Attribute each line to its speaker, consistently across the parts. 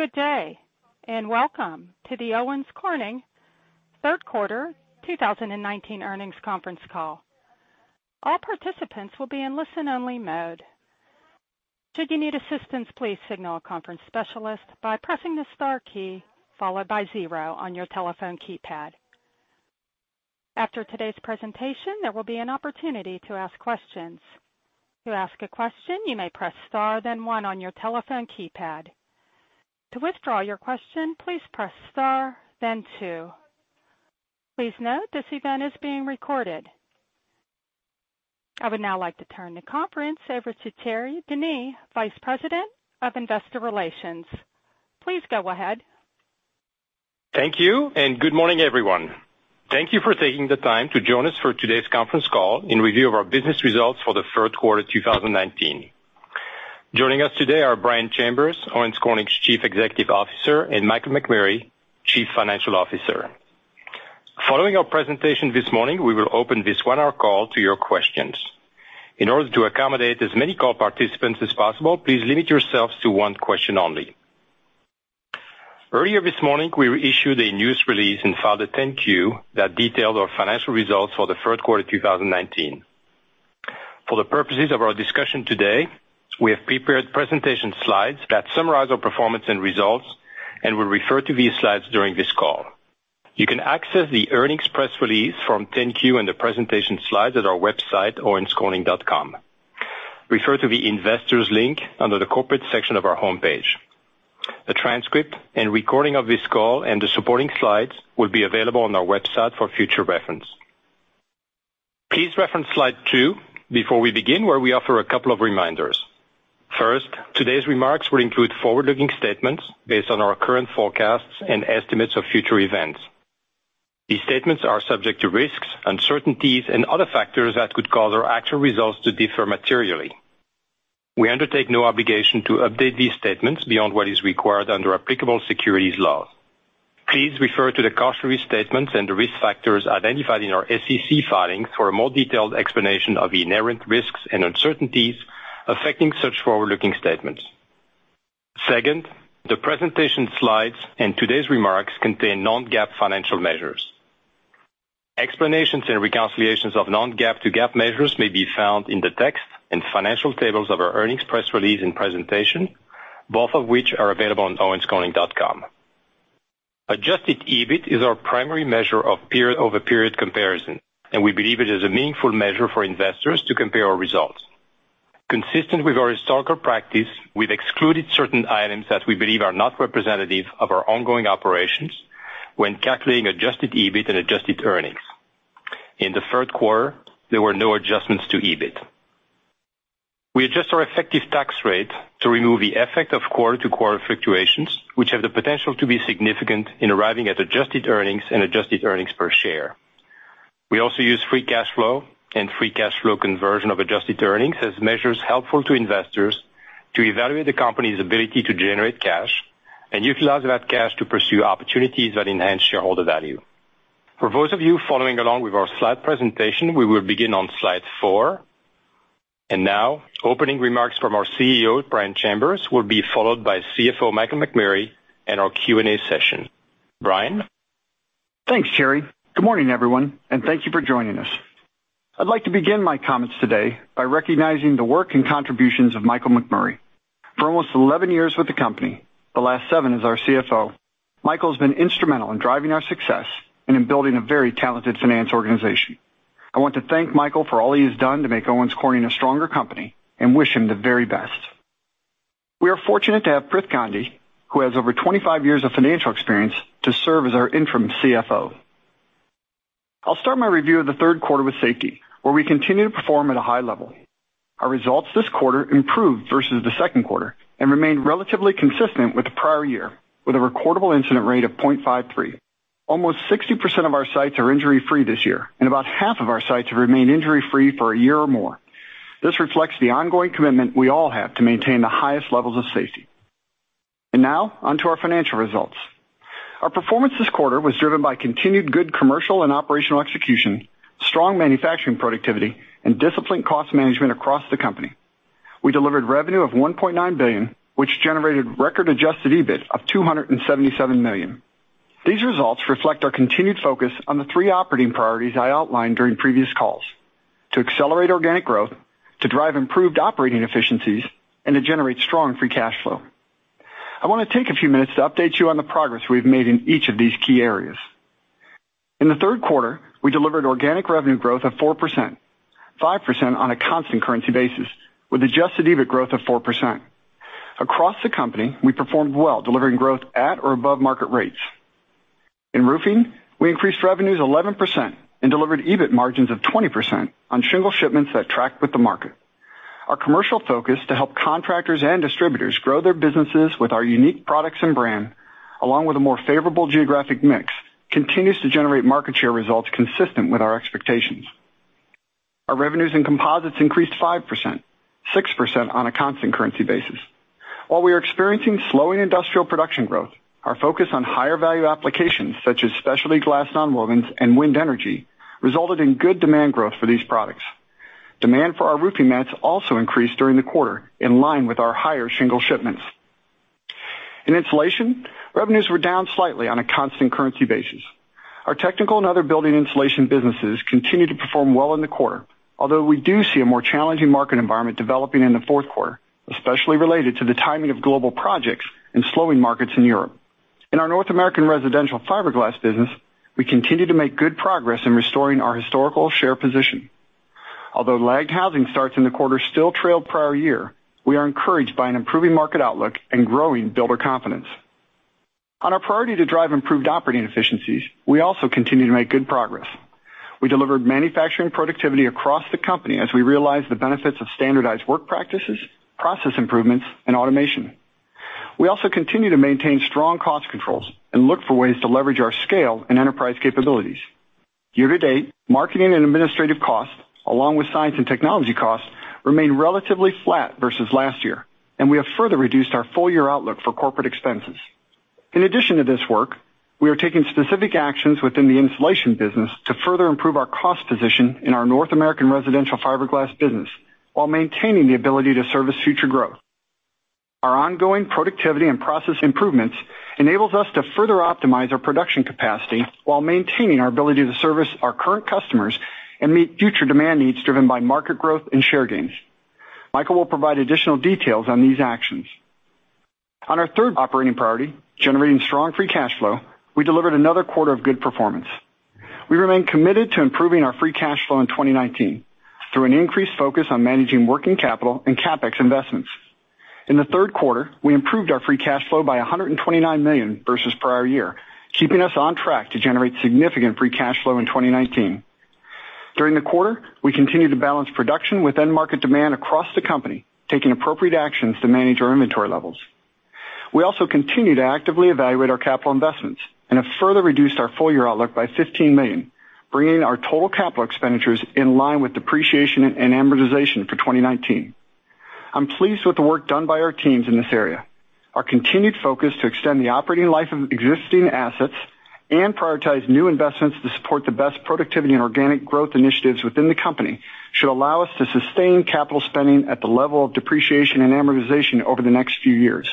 Speaker 1: Good day and welcome to the Owens Corning third quarter 2019 earnings conference call. All participants will be in listen-only mode. Should you need assistance, please signal a conference specialist by pressing the star key followed by zero on your telephone keypad. After today's presentation, there will be an opportunity to ask questions. To ask a question, you may press star, then one on your telephone keypad. To withdraw your question, please press star, then two. Please note this event is being recorded. I would now like to turn the conference over to Thierry Denis, Vice President of Investor Relations. Please go ahead.
Speaker 2: Thank you and good morning, everyone. Thank you for taking the time to join us for today's conference call in review of our business results for the third quarter 2019. Joining us today are Brian Chambers, Owens Corning's Chief Executive Officer, and Michael McMurray, Chief Financial Officer. Following our presentation this morning, we will open this one-hour call to your questions. In order to accommodate as many call participants as possible, please limit yourselves to one question only. Earlier this morning, we issued a news release and filed a 10-Q that detailed our financial results for the third quarter 2019. For the purposes of our discussion today, we have prepared presentation slides that summarize our performance and results, and we'll refer to these slides during this call. You can access the earnings press release, the 10-Q, and the presentation slides at our website, owenscorning.com. Refer to the investors link under the corporate section of our homepage. The transcript and recording of this call and the supporting slides will be available on our website for future reference. Please reference slide two before we begin, where we offer a couple of reminders. First, today's remarks will include forward-looking statements based on our current forecasts and estimates of future events. These statements are subject to risks, uncertainties, and other factors that could cause our actual results to differ materially. We undertake no obligation to update these statements beyond what is required under applicable securities laws. Please refer to the cautionary statements and the risk factors identified in our SEC filings for a more detailed explanation of the inherent risks and uncertainties affecting such forward-looking statements. Second, the presentation slides and today's remarks contain non-GAAP financial measures. Explanations and reconciliations of non-GAAP to GAAP measures may be found in the text and financial tables of our earnings press release and presentation, both of which are available on owenscorning.com. Adjusted EBIT is our primary measure of period-over-period comparison, and we believe it is a meaningful measure for investors to compare our results. Consistent with our historical practice, we've excluded certain items that we believe are not representative of our ongoing operations when calculating adjusted EBIT and adjusted earnings. In the third quarter, there were no adjustments to EBIT. We adjust our effective tax rate to remove the effect of quarter-to-quarter fluctuations, which have the potential to be significant in arriving at adjusted earnings and adjusted earnings per share. We also use free cash flow and free cash flow conversion of adjusted earnings as measures helpful to investors to evaluate the company's ability to generate cash and utilize that cash to pursue opportunities that enhance shareholder value. For those of you following along with our slide presentation, we will begin on slide four. And now, opening remarks from our CEO, Brian Chambers, will be followed by CFO Michael McMurray and our Q&A session. Brian.
Speaker 3: Thanks, Thierry. Good morning, everyone, and thank you for joining us. I'd like to begin my comments today by recognizing the work and contributions of Michael McMurray. For almost 11 years with the company, the last seven as our CFO, Michael's been instrumental in driving our success and in building a very talented finance organization. I want to thank Michael for all he has done to make Owens Corning a stronger company and wish him the very best. We are fortunate to have Prith Gandhi, who has over 25 years of financial experience, to serve as our interim CFO. I'll start my review of the third quarter with safety, where we continue to perform at a high level. Our results this quarter improved versus the second quarter and remained relatively consistent with the prior year, with a recordable incident rate of 0.53. Almost 60% of our sites are injury-free this year, and about half of our sites have remained injury-free for a year or more. This reflects the ongoing commitment we all have to maintain the highest levels of safety. And now, onto our financial results. Our performance this quarter was driven by continued good commercial and operational execution, strong manufacturing productivity, and disciplined cost management across the company. We delivered revenue of $1.9 billion, which generated record Adjusted EBIT of $277 million. These results reflect our continued focus on the three operating priorities I outlined during previous calls: to accelerate organic growth, to drive improved operating efficiencies, and to generate strong free cash flow. I want to take a few minutes to update you on the progress we've made in each of these key areas. In the third quarter, we delivered organic revenue growth of 4%, 5% on a constant currency basis, with adjusted EBIT growth of 4%. Across the company, we performed well, delivering growth at or above market rates. In roofing, we increased revenues 11% and delivered EBIT margins of 20% on shingle shipments that tracked with the market. Our commercial focus to help contractors and distributors grow their businesses with our unique products and brand, along with a more favorable geographic mix, continues to generate market share results consistent with our expectations. Our revenues in composites increased 5%, 6% on a constant currency basis. While we are experiencing slowing industrial production growth, our focus on higher value applications such as specialty glass nonwovens and wind energy resulted in good demand growth for these products. Demand for our roofing mats also increased during the quarter, in line with our higher shingle shipments. In insulation, revenues were down slightly on a constant currency basis. Our technical and other building insulation businesses continue to perform well in the quarter, although we do see a more challenging market environment developing in the fourth quarter, especially related to the timing of global projects and slowing markets in Europe. In our North American residential fiberglass business, we continue to make good progress in restoring our historical share position. Although lagged housing starts in the quarter still trailed prior year, we are encouraged by an improving market outlook and growing builder confidence. On our priority to drive improved operating efficiencies, we also continue to make good progress. We delivered manufacturing productivity across the company as we realized the benefits of standardized work practices, process improvements, and automation. We also continue to maintain strong cost controls and look for ways to leverage our scale and enterprise capabilities. Year-to-date, marketing and administrative costs, along with science and technology costs, remain relatively flat versus last year, and we have further reduced our full-year outlook for corporate expenses. In addition to this work, we are taking specific actions within the insulation business to further improve our cost position in our North American residential fiberglass business while maintaining the ability to service future growth. Our ongoing productivity and process improvements enable us to further optimize our production capacity while maintaining our ability to service our current customers and meet future demand needs driven by market growth and share gains. Michael will provide additional details on these actions. On our third operating priority, generating strong free cash flow, we delivered another quarter of good performance. We remain committed to improving our free cash flow in 2019 through an increased focus on managing working capital and CapEx investments. In the third quarter, we improved our free cash flow by $129 million versus prior year, keeping us on track to generate significant free cash flow in 2019. During the quarter, we continued to balance production with end-market demand across the company, taking appropriate actions to manage our inventory levels. We also continue to actively evaluate our capital investments and have further reduced our full-year outlook by $15 million, bringing our total capital expenditures in line with depreciation and amortization for 2019. I'm pleased with the work done by our teams in this area. Our continued focus to extend the operating life of existing assets and prioritize new investments to support the best productivity and organic growth initiatives within the company should allow us to sustain capital spending at the level of depreciation and amortization over the next few years.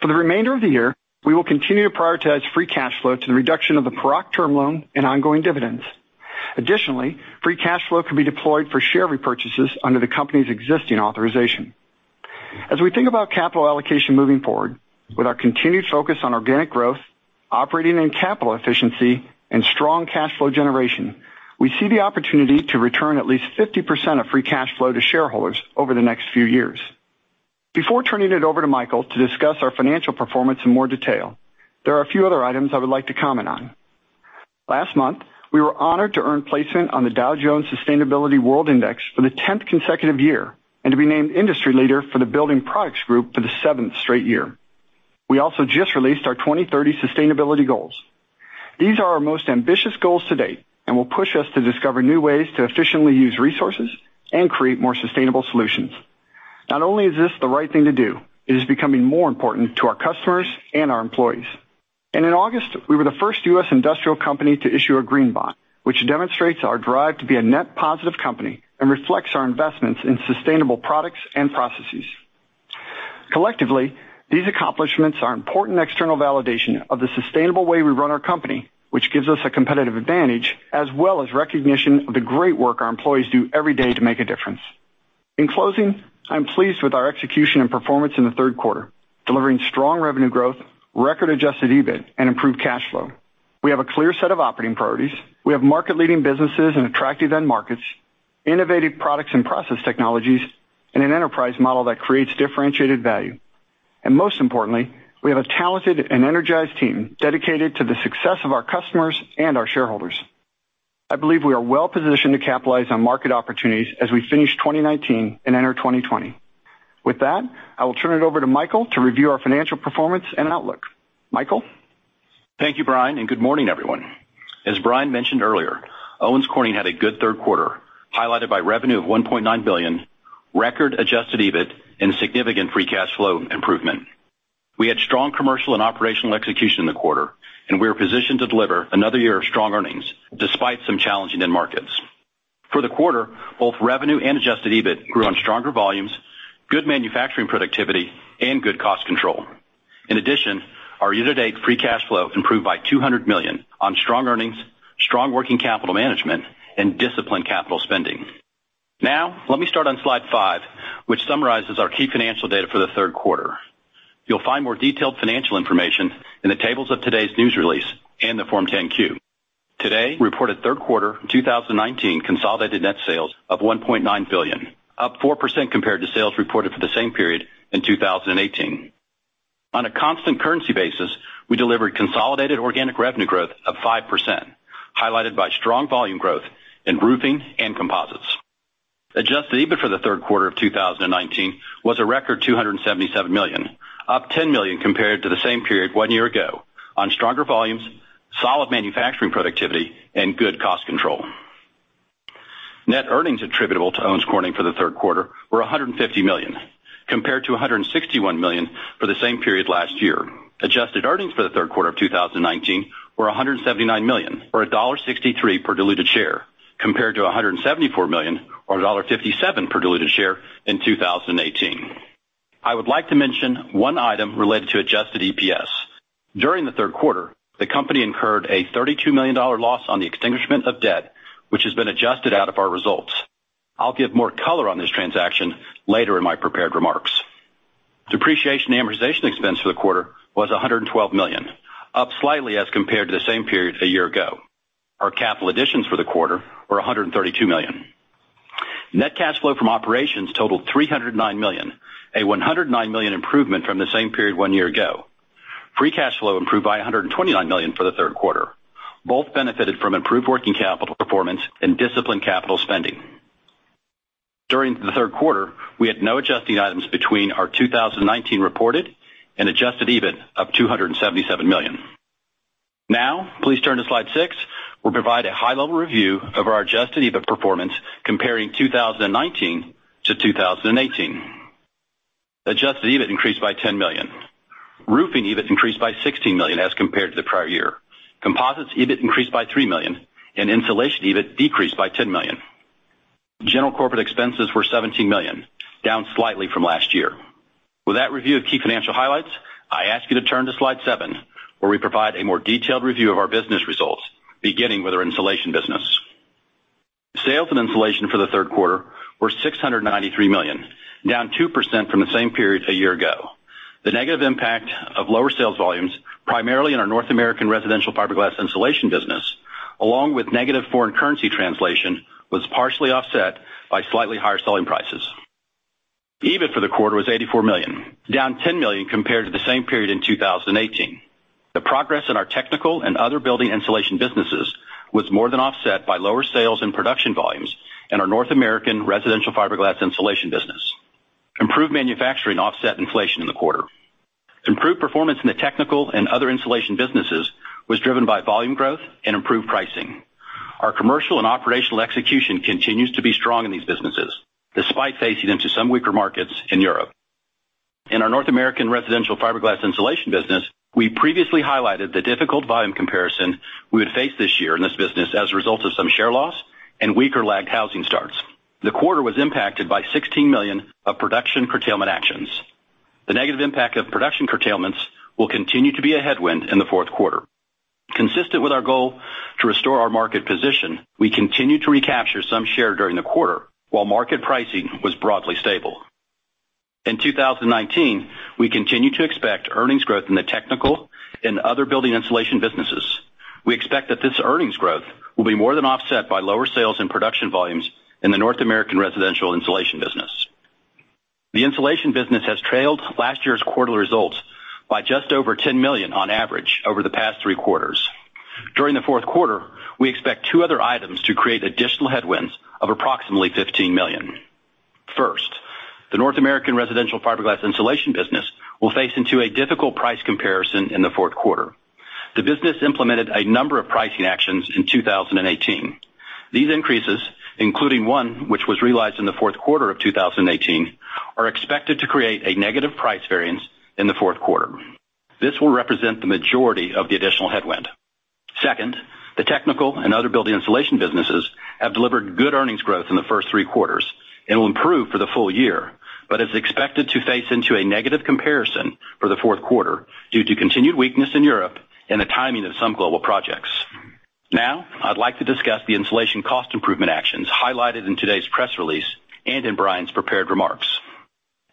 Speaker 3: For the remainder of the year, we will continue to prioritize free cash flow to the reduction of the Paroc loan and ongoing dividends. Additionally, free cash flow can be deployed for share repurchases under the company's existing authorization. As we think about capital allocation moving forward, with our continued focus on organic growth, operating and capital efficiency, and strong cash flow generation, we see the opportunity to return at least 50% of free cash flow to shareholders over the next few years. Before turning it over to Michael to discuss our financial performance in more detail, there are a few other items I would like to comment on. Last month, we were honored to earn placement on the Dow Jones Sustainability World Index for the 10th consecutive year and to be named industry leader for the Building Products Group for the seventh straight year. We also just released our 2030 sustainability goals. These are our most ambitious goals to date and will push us to discover new ways to efficiently use resources and create more sustainable solutions. Not only is this the right thing to do, it is becoming more important to our customers and our employees. And in August, we were the first U.S. industrial company to issue a green bond, which demonstrates our drive to be a net positive company and reflects our investments in sustainable products and processes. Collectively, these accomplishments are important external validation of the sustainable way we run our company, which gives us a competitive advantage as well as recognition of the great work our employees do every day to make a difference. In closing, I'm pleased with our execution and performance in the third quarter, delivering strong revenue growth, record adjusted EBIT, and improved cash flow. We have a clear set of operating priorities. We have market-leading businesses and attractive end markets, innovative products and process technologies, and an enterprise model that creates differentiated value, and most importantly, we have a talented and energized team dedicated to the success of our customers and our shareholders. I believe we are well-positioned to capitalize on market opportunities as we finish 2019 and enter 2020. With that, I will turn it over to Michael to review our financial performance and outlook. Michael.
Speaker 4: Thank you, Brian, and good morning, everyone. As Brian mentioned earlier, Owens Corning had a good third quarter, highlighted by revenue of $1.9 billion, record-adjusted EBIT, and significant free cash flow improvement. We had strong commercial and operational execution in the quarter, and we are positioned to deliver another year of strong earnings despite some challenging end markets. For the quarter, both revenue and adjusted EBIT grew on stronger volumes, good manufacturing productivity, and good cost control. In addition, our year-to-date free cash flow improved by $200 million on strong earnings, strong working capital management, and disciplined capital spending. Now, let me start on slide five, which summarizes our key financial data for the third quarter. You'll find more detailed financial information in the tables of today's news release and the Form 10-Q. Today, we reported third quarter 2019 consolidated net sales of $1.9 billion, up 4% compared to sales reported for the same period in 2018. On a constant currency basis, we delivered consolidated organic revenue growth of 5%, highlighted by strong volume growth in roofing and composites. Adjusted EBIT for the third quarter of 2019 was a record $277 million, up $10 million compared to the same period one year ago on stronger volumes, solid manufacturing productivity, and good cost control. Net earnings attributable to Owens Corning for the third quarter were $150 million, compared to $161 million for the same period last year. Adjusted earnings for the third quarter of 2019 were $179 million, or $1.63 per diluted share, compared to $174 million, or $1.57 per diluted share in 2018. I would like to mention one item related to adjusted EPS. During the third quarter, the company incurred a $32 million loss on the extinguishment of debt, which has been adjusted out of our results. I'll give more color on this transaction later in my prepared remarks. Depreciation and amortization expense for the quarter was $112 million, up slightly as compared to the same period a year ago. Our capital additions for the quarter were $132 million. Net cash flow from operations totaled $309 million, a $109 million improvement from the same period one year ago. Free cash flow improved by $129 million for the third quarter. Both benefited from improved working capital performance and disciplined capital spending. During the third quarter, we had no adjusting items between our 2019 reported and adjusted EBIT of $277 million. Now, please turn to slide six, where we provide a high-level review of our adjusted EBIT performance comparing 2019 to 2018. Adjusted EBIT increased by $10 million. Roofing EBIT increased by $16 million as compared to the prior year. Composites EBIT increased by $3 million, and insulation EBIT decreased by $10 million. General corporate expenses were $17 million, down slightly from last year. With that review of key financial highlights, I ask you to turn to slide seven, where we provide a more detailed review of our business results, beginning with our insulation business. Sales in insulation for the third quarter were $693 million, down 2% from the same period a year ago. The negative impact of lower sales volumes, primarily in our North American residential fiberglass insulation business, along with negative foreign currency translation, was partially offset by slightly higher selling prices. EBIT for the quarter was $84 million, down $10 million compared to the same period in 2018. The progress in our technical and other building insulation businesses was more than offset by lower sales and production volumes in our North American residential fiberglass insulation business. Improved manufacturing offset inflation in the quarter. Improved performance in the technical and other insulation businesses was driven by volume growth and improved pricing. Our commercial and operational execution continues to be strong in these businesses, despite facing into some weaker markets in Europe. In our North American residential fiberglass insulation business, we previously highlighted the difficult volume comparison we would face this year in this business as a result of some share loss and weaker lagged housing starts. The quarter was impacted by 16 million of production curtailment actions. The negative impact of production curtailments will continue to be a headwind in the fourth quarter. Consistent with our goal to restore our market position, we continue to recapture some share during the quarter while market pricing was broadly stable. In 2019, we continue to expect earnings growth in the technical and other building insulation businesses. We expect that this earnings growth will be more than offset by lower sales and production volumes in the North American residential insulation business. The insulation business has trailed last year's quarterly results by just over $10 million on average over the past three quarters. During the fourth quarter, we expect two other items to create additional headwinds of approximately $15 million. First, the North American residential fiberglass insulation business will face into a difficult price comparison in the fourth quarter. The business implemented a number of pricing actions in 2018. These increases, including one which was realized in the fourth quarter of 2018, are expected to create a negative price variance in the fourth quarter. This will represent the majority of the additional headwind. Second, the technical and other building insulation businesses have delivered good earnings growth in the first three quarters and will improve for the full year, but is expected to face into a negative comparison for the fourth quarter due to continued weakness in Europe and the timing of some global projects. Now, I'd like to discuss the insulation cost improvement actions highlighted in today's press release and in Brian's prepared remarks.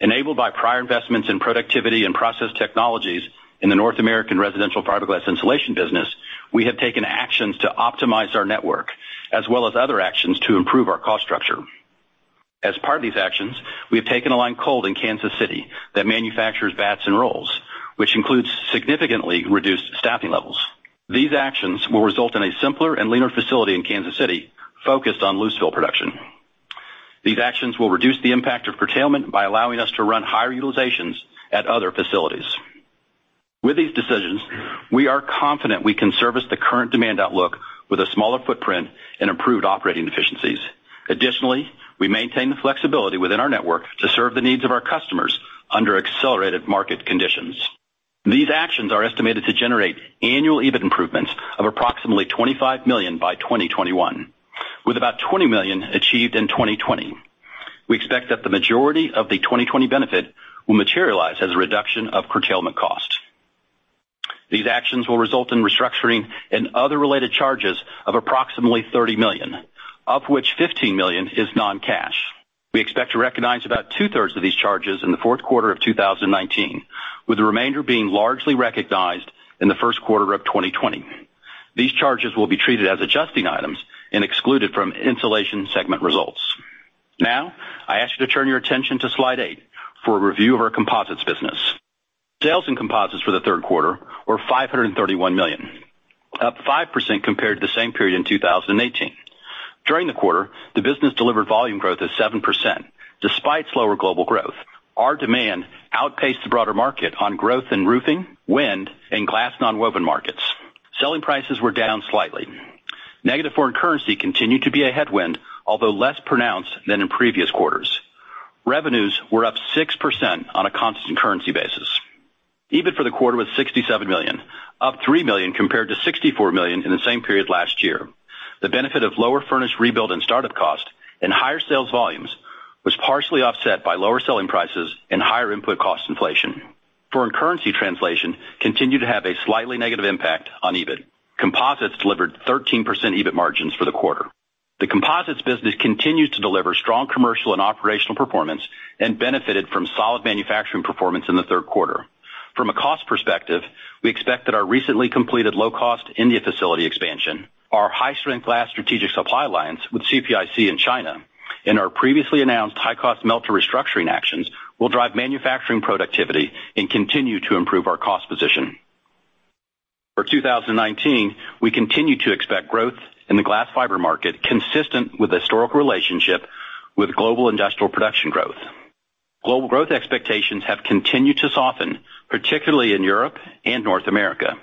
Speaker 4: Enabled by prior investments in productivity and process technologies in the North American residential fiberglass insulation business, we have taken actions to optimize our network, as well as other actions to improve our cost structure. As part of these actions, we have taken a line cold in Kansas City that manufactures batts and rolls, which includes significantly reduced staffing levels. These actions will result in a simpler and leaner facility in Kansas City focused on loosefill production. These actions will reduce the impact of curtailment by allowing us to run higher utilizations at other facilities. With these decisions, we are confident we can service the current demand outlook with a smaller footprint and improved operating efficiencies. Additionally, we maintain the flexibility within our network to serve the needs of our customers under accelerated market conditions. These actions are estimated to generate annual EBIT improvements of approximately $25 million by 2021, with about $20 million achieved in 2020. We expect that the majority of the 2020 benefit will materialize as a reduction of curtailment cost. These actions will result in restructuring and other related charges of approximately $30 million, of which $15 million is non-cash. We expect to recognize about two-thirds of these charges in the fourth quarter of 2019, with the remainder being largely recognized in the first quarter of 2020. These charges will be treated as adjusting items and excluded from insulation segment results. Now, I ask you to turn your attention to slide eight for a review of our composites business. Sales in composites for the third quarter were $531 million, up 5% compared to the same period in 2018. During the quarter, the business delivered volume growth of 7% despite slower global growth. Our demand outpaced the broader market on growth in roofing, wind, and glass non-wovens markets. Selling prices were down slightly. Negative foreign currency continued to be a headwind, although less pronounced than in previous quarters. Revenues were up 6% on a constant currency basis. EBIT for the quarter was $67 million, up $3 million compared to $64 million in the same period last year. The benefit of lower furnace rebuild and start-up cost and higher sales volumes was partially offset by lower selling prices and higher input cost inflation. Foreign currency translation continued to have a slightly negative impact on EBIT. Composites delivered 13% EBIT margins for the quarter. The composites business continues to deliver strong commercial and operational performance and benefited from solid manufacturing performance in the third quarter. From a cost perspective, we expect that our recently completed low-cost India facility expansion, our high-strength glass strategic supply lines with CPIC in China, and our previously announced high-cost melter restructuring actions will drive manufacturing productivity and continue to improve our cost position. For 2019, we continue to expect growth in the glass fiber market consistent with historical relationship with global industrial production growth. Global growth expectations have continued to soften, particularly in Europe and North America.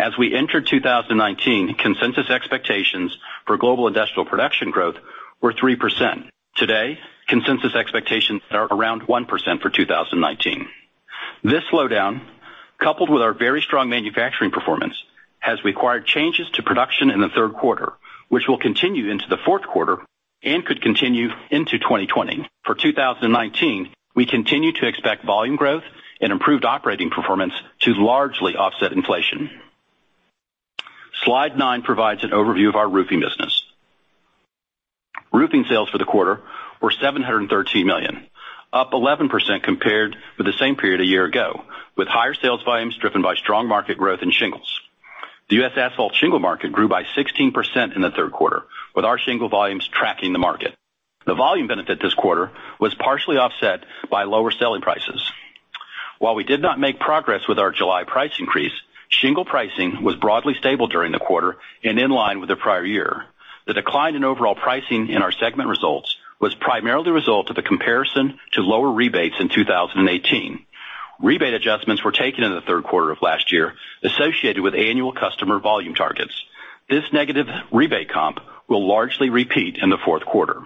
Speaker 4: As we entered 2019, consensus expectations for global industrial production growth were 3%. Today, consensus expectations are around 1% for 2019. This slowdown, coupled with our very strong manufacturing performance, has required changes to production in the third quarter, which will continue into the fourth quarter and could continue into 2020. For 2019, we continue to expect volume growth and improved operating performance to largely offset inflation. Slide nine provides an overview of our roofing business. Roofing sales for the quarter were $713 million, up 11% compared with the same period a year ago, with higher sales volumes driven by strong market growth and shingles. The U.S. asphalt shingle market grew by 16% in the third quarter, with our shingle volumes tracking the market. The volume benefit this quarter was partially offset by lower selling prices. While we did not make progress with our July price increase, shingle pricing was broadly stable during the quarter and in line with the prior year. The decline in overall pricing in our segment results was primarily a result of the comparison to lower rebates in 2018. Rebate adjustments were taken in the third quarter of last year, associated with annual customer volume targets. This negative rebate comp will largely repeat in the fourth quarter.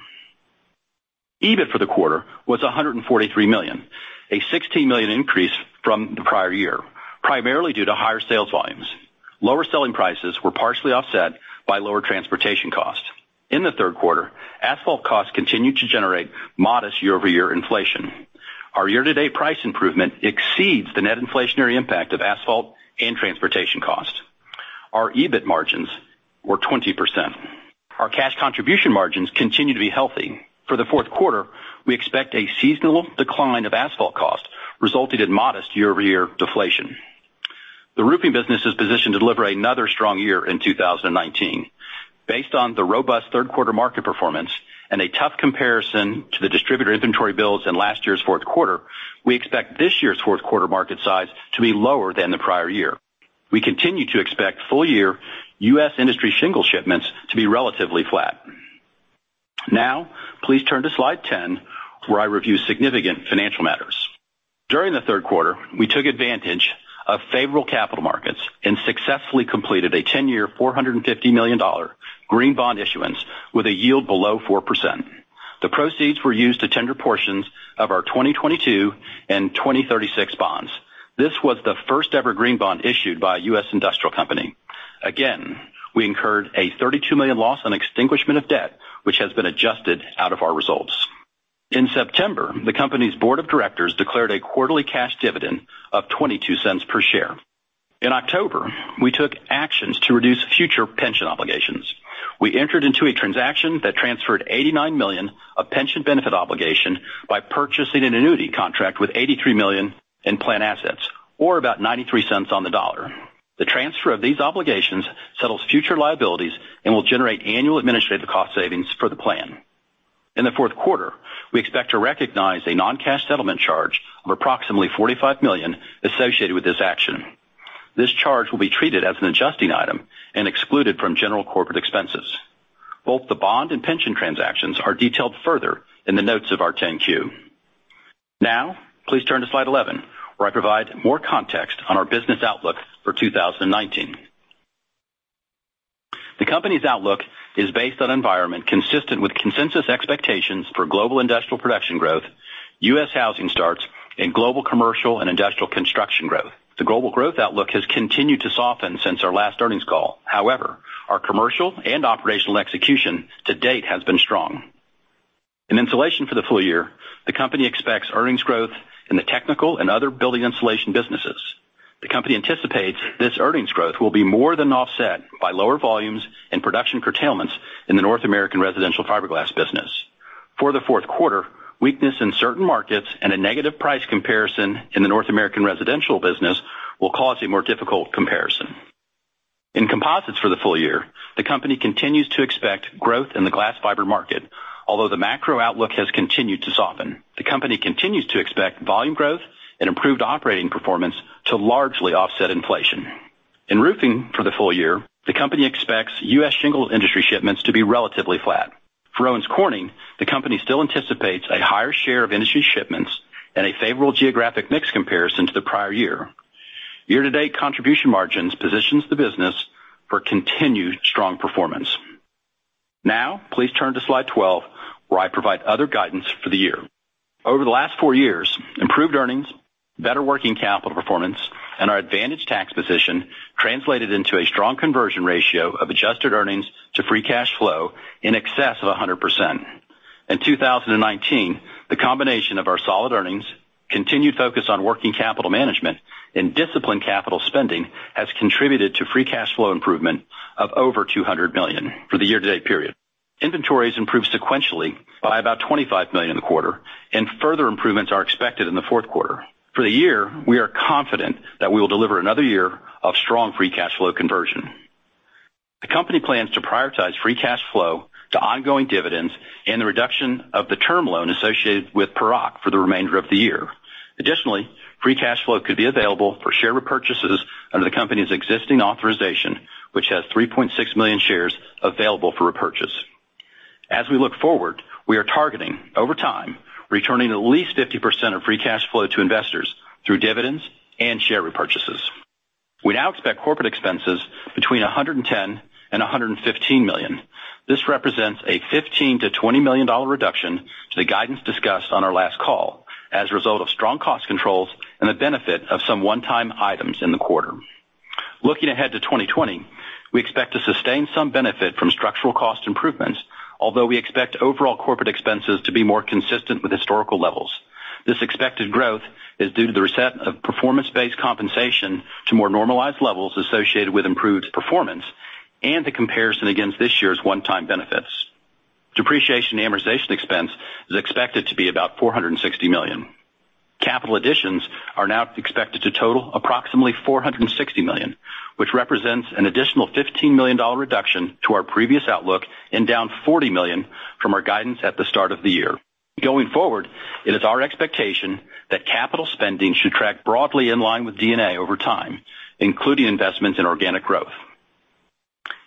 Speaker 4: EBIT for the quarter was $143 million, a $16 million increase from the prior year, primarily due to higher sales volumes. Lower selling prices were partially offset by lower transportation cost. In the third quarter, asphalt costs continued to generate modest year-over-year inflation. Our year-to-date price improvement exceeds the net inflationary impact of asphalt and transportation cost. Our EBIT margins were 20%. Our cash contribution margins continue to be healthy. For the fourth quarter, we expect a seasonal decline of asphalt cost, resulting in modest year-over-year deflation. The roofing business is positioned to deliver another strong year in 2019. Based on the robust third-quarter market performance and a tough comparison to the distributor inventory builds in last year's fourth quarter, we expect this year's fourth-quarter market size to be lower than the prior year. We continue to expect full-year U.S. industry shingle shipments to be relatively flat. Now, please turn to slide 10, where I review significant financial matters. During the third quarter, we took advantage of favorable capital markets and successfully completed a 10-year $450 million green bond issuance with a yield below 4%. The proceeds were used to tender portions of our 2022 and 2036 bonds. This was the first-ever green bond issued by a U.S. industrial company. Again, we incurred a $32 million loss on extinguishment of debt, which has been adjusted out of our results. In September, the company's board of directors declared a quarterly cash dividend of $0.22 per share. In October, we took actions to reduce future pension obligations. We entered into a transaction that transferred $89 million of pension benefit obligation by purchasing an annuity contract with $83 million in plan assets, or about $0.93 on the dollar. The transfer of these obligations settles future liabilities and will generate annual administrative cost savings for the plan. In the fourth quarter, we expect to recognize a non-cash settlement charge of approximately $45 million associated with this action. This charge will be treated as an adjusting item and excluded from general corporate expenses. Both the bond and pension transactions are detailed further in the notes of our 10-Q. Now, please turn to slide 11, where I provide more context on our business outlook for 2019. The company's outlook is based on an environment consistent with consensus expectations for global industrial production growth, U.S. housing starts, and global commercial and industrial construction growth. The global growth outlook has continued to soften since our last earnings call. However, our commercial and operational execution to date has been strong. In insulation for the full year, the company expects earnings growth in the technical and other building insulation businesses. The company anticipates this earnings growth will be more than offset by lower volumes and production curtailments in the North American residential fiberglass business. For the fourth quarter, weakness in certain markets and a negative price comparison in the North American residential business will cause a more difficult comparison. In composites for the full year, the company continues to expect growth in the glass fiber market, although the macro outlook has continued to soften. The company continues to expect volume growth and improved operating performance to largely offset inflation. In roofing for the full year, the company expects U.S. shingle industry shipments to be relatively flat. For Owens Corning, the company still anticipates a higher share of industry shipments and a favorable geographic mix comparison to the prior year. Year-to-date contribution margins position the business for continued strong performance. Now, please turn to slide 12, where I provide other guidance for the year. Over the last four years, improved earnings, better working capital performance, and our advantageous tax position translated into a strong conversion ratio of adjusted earnings to free cash flow in excess of 100%. In 2019, the combination of our solid earnings, continued focus on working capital management, and disciplined capital spending has contributed to free cash flow improvement of over $200 million for the year-to-date period. Inventories improved sequentially by about $25 million in the quarter, and further improvements are expected in the fourth quarter. For the year, we are confident that we will deliver another year of strong free cash flow conversion. The company plans to prioritize free cash flow to ongoing dividends and the reduction of the term loan associated with Paroc for the remainder of the year. Additionally, free cash flow could be available for share repurchases under the company's existing authorization, which has 3.6 million shares available for repurchase. As we look forward, we are targeting, over time, returning at least 50% of free cash flow to investors through dividends and share repurchases. We now expect corporate expenses between $110 million and $115 million. This represents a $15 million-$20 million reduction to the guidance discussed on our last call as a result of strong cost controls and the benefit of some one-time items in the quarter. Looking ahead to 2020, we expect to sustain some benefit from structural cost improvements, although we expect overall corporate expenses to be more consistent with historical levels. This expected growth is due to the reset of performance-based compensation to more normalized levels associated with improved performance and the comparison against this year's one-time benefits. Depreciation and amortization expense is expected to be about $460 million. Capital additions are now expected to total approximately $460 million, which represents an additional $15 million reduction to our previous outlook and down $40 million from our guidance at the start of the year. Going forward, it is our expectation that capital spending should track broadly in line with D&A over time, including investments in organic growth.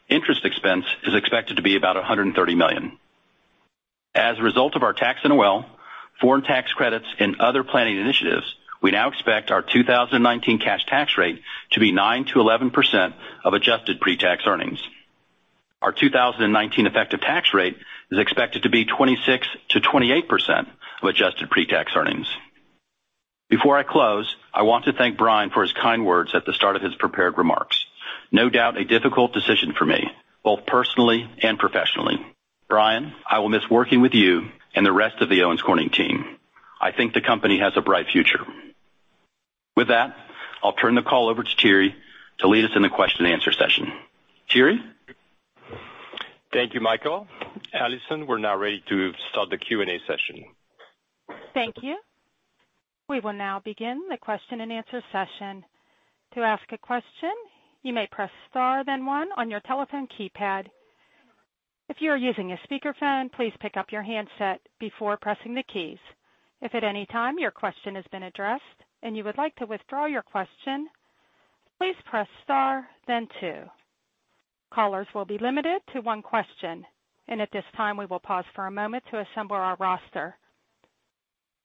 Speaker 4: Interest expense is expected to be about $130 million. As a result of our tax and R&D, foreign tax credits, and other planning initiatives, we now expect our 2019 cash tax rate to be 9-11% of adjusted pre-tax earnings. Our 2019 effective tax rate is expected to be 26-28% of adjusted pre-tax earnings. Before I close, I want to thank Brian for his kind words at the start of his prepared remarks. No doubt a difficult decision for me, both personally and professionally. Brian, I will miss working with you and the rest of the Owens Corning team. I think the company has a bright future. With that, I'll turn the call over to Thierry to lead us in the question-and-answer session. Thierry?
Speaker 2: Thank you, Michael. Allison, we're now ready to start the Q&A session.
Speaker 1: Thank you. We will now begin the question-and-answer session. To ask a question, you may press star, then one, on your telephone keypad. If you are using a speakerphone, please pick up your handset before pressing the keys. If at any time your question has been addressed and you would like to withdraw your question, please press star, then two. Callers will be limited to one question, and at this time, we will pause for a moment to assemble our roster.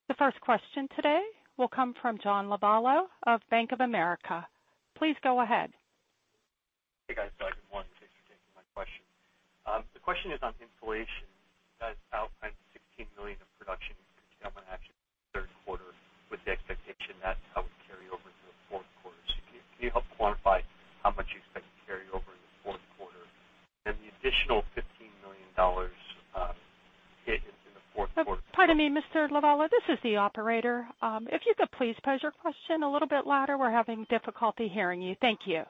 Speaker 1: The first question today will come from John Lovallo of Bank of America. Please go ahead.
Speaker 4: Hey, guys. So I have one question. The question is on insulation. You guys outlined $16 million in production and action in the third quarter with the expectation that's how we carry over to the fourth quarter. So can you help quantify how much you expect to carry over in the fourth quarter? And the additional $15 million hit in the fourth quarter.
Speaker 1: Pardon me, Mr. Lovallo. This is the operator. If you could please pose your question a little bit louder. We're having difficulty hearing you. Thank you.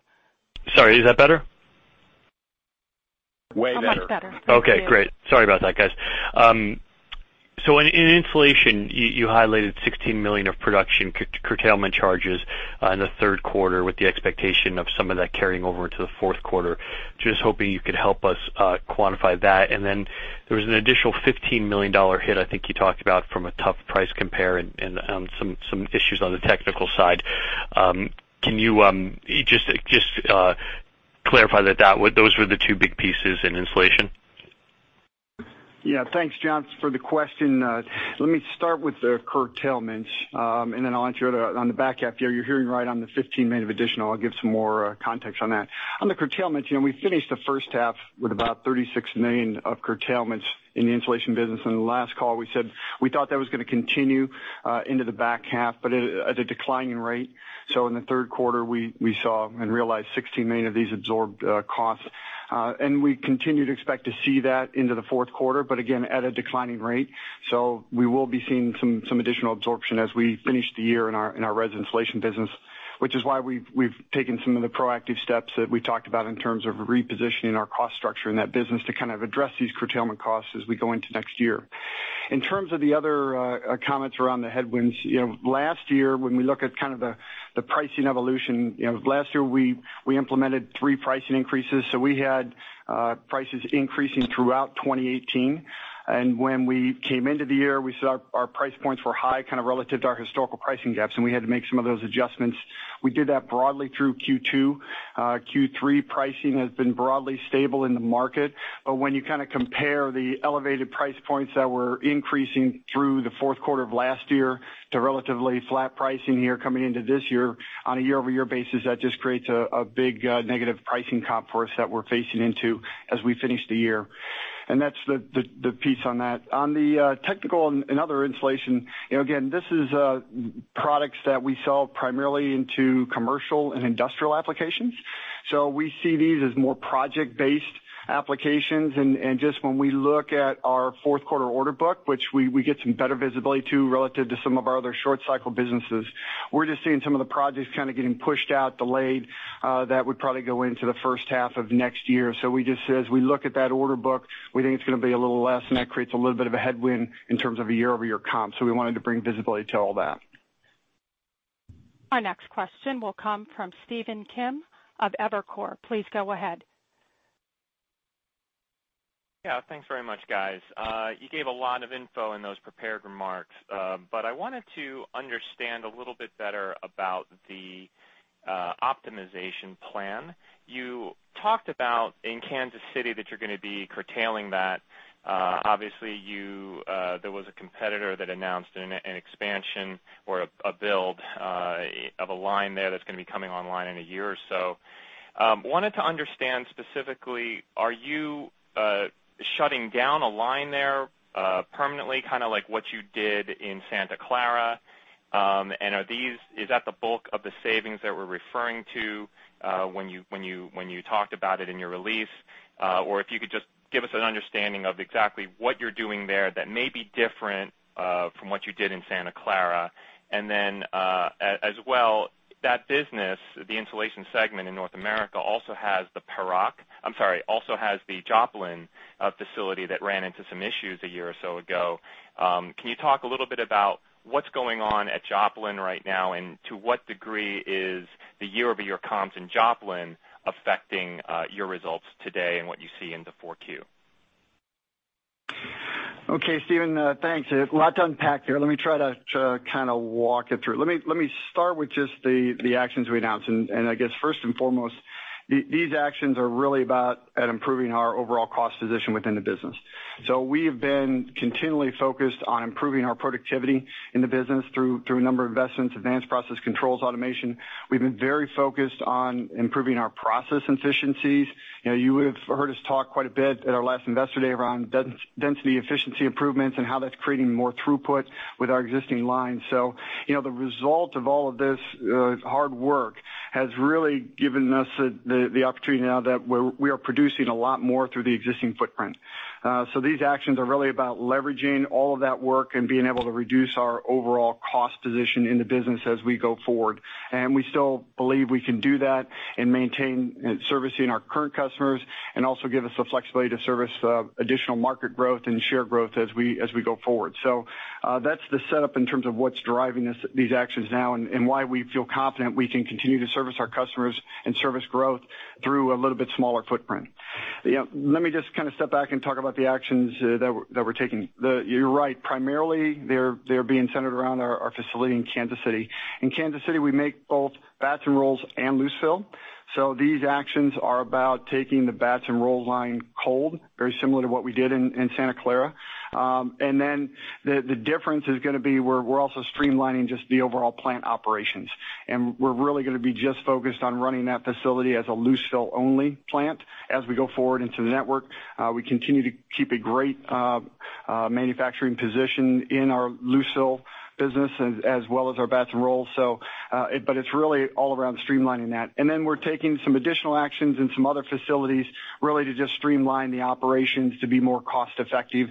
Speaker 4: Sorry. Is that better?
Speaker 3: Way better.
Speaker 4: Okay. Great. Sorry about that, guys. So in insulation, you highlighted $16 million of production curtailment charges in the third quarter with the expectation of some of that carrying over into the fourth quarter. Just hoping you could help us quantify that. And then there was an additional $15 million hit I think you talked about from a tough price compare and some issues on the technical side. Can you just clarify that those were the two big pieces in insulation?
Speaker 3: Yeah. Thanks, John, for the question. Let me start with the curtailments, and then I'll answer on the back half here. You're hearing right on the $15 million additional. I'll give some more context on that. On the curtailments, we finished the first half with about $36 million of curtailments in the insulation business. In the last call, we said we thought that was going to continue into the back half, but at a declining rate. So in the third quarter, we saw and realized $16 million of these absorbed costs. And we continue to expect to see that into the fourth quarter, but again, at a declining rate. So we will be seeing some additional absorption as we finish the year in our res insulation business. Which is why we've taken some of the proactive steps that we talked about in terms of repositioning our cost structure in that business to kind of address these curtailment costs as we go into next year. In terms of the other comments around the headwinds, last year, when we look at kind of the pricing evolution, last year we implemented three pricing increases. So we had prices increasing throughout 2018. And when we came into the year, we saw our price points were high kind of relative to our historical pricing gaps, and we had to make some of those adjustments. We did that broadly through Q2. Q3 pricing has been broadly stable in the market. But when you kind of compare the elevated price points that were increasing through the fourth quarter of last year to relatively flat pricing here coming into this year on a year-over-year basis, that just creates a big negative pricing comp for us that we're facing into as we finish the year. And that's the piece on that. On the technical and other insulation, again, this is products that we sell primarily into commercial and industrial applications. So we see these as more project-based applications. And just when we look at our fourth quarter order book, which we get some better visibility to relative to some of our other short-cycle businesses, we're just seeing some of the projects kind of getting pushed out, delayed that would probably go into the first half of next year. We just, as we look at that order book, we think it's going to be a little less, and that creates a little bit of a headwind in terms of a year-over-year comp. We wanted to bring visibility to all that.
Speaker 1: Our next question will come from Stephen Kim of Evercore. Please go ahead.
Speaker 5: Yeah. Thanks very much, guys. You gave a lot of info in those prepared remarks, but I wanted to understand a little bit better about the optimization plan. You talked about in Kansas City that you're going to be curtailing that. Obviously, there was a competitor that announced an expansion or a build of a line there that's going to be coming online in a year or so. Wanted to understand specifically, are you shutting down a line there permanently, kind of like what you did in Santa Clara? And is that the bulk of the savings that we're referring to when you talked about it in your release? Or if you could just give us an understanding of exactly what you're doing there that may be different from what you did in Santa Clara. And then as well, that business, the insulation segment in North America, also has the Joplin facility that ran into some issues a year or so ago. Can you talk a little bit about what's going on at Joplin right now, and to what degree is the year-over-year comps in Joplin affecting your results today and what you see in the 4Q?
Speaker 3: Okay, Stephen, thanks. A lot to unpack here. Let me try to kind of walk it through. Let me start with just the actions we announced, and I guess first and foremost, these actions are really about improving our overall cost position within the business. So we have been continually focused on improving our productivity in the business through a number of investments, advanced process controls, automation. We've been very focused on improving our process efficiencies. You have heard us talk quite a bit at our last investor day around density efficiency improvements and how that's creating more throughput with our existing lines, so the result of all of this hard work has really given us the opportunity now that we are producing a lot more through the existing footprint. So these actions are really about leveraging all of that work and being able to reduce our overall cost position in the business as we go forward. And we still believe we can do that and maintain servicing our current customers and also give us the flexibility to service additional market growth and share growth as we go forward. So that's the setup in terms of what's driving these actions now and why we feel confident we can continue to service our customers and service growth through a little bit smaller footprint. Let me just kind of step back and talk about the actions that we're taking. You're right. Primarily, they're being centered around our facility in Kansas City. In Kansas City, we make both batts and rolls and loosefill. So these actions are about taking the batts and rolls line cold, very similar to what we did in Santa Clara. And then the difference is going to be we're also streamlining just the overall plant operations. And we're really going to be just focused on running that facility as a loosefill-only plant as we go forward into the network. We continue to keep a great manufacturing position in our loosefill business as well as our batts and rolls. But it's really all around streamlining that. And then we're taking some additional actions in some other facilities really to just streamline the operations to be more cost-effective.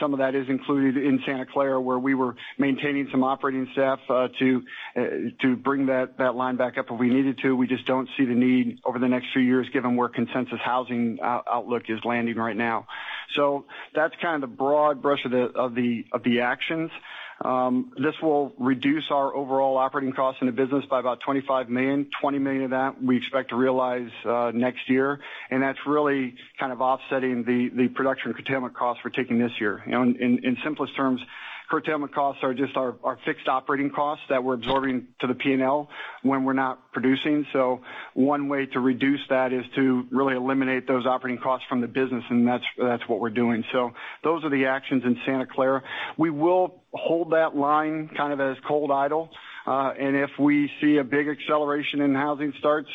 Speaker 3: Some of that is included in Santa Clara where we were maintaining some operating staff to bring that line back up if we needed to. We just don't see the need over the next few years given where consensus housing outlook is landing right now, so that's kind of the broad brush of the actions. This will reduce our overall operating costs in the business by about $25 million. $20 million of that we expect to realize next year, and that's really kind of offsetting the production curtailment costs we're taking this year. In simplest terms, curtailment costs are just our fixed operating costs that we're absorbing to the P&L when we're not producing, so one way to reduce that is to really eliminate those operating costs from the business, and that's what we're doing, so those are the actions in Santa Clara. We will hold that line kind of as cold idle, and if we see a big acceleration in housing starts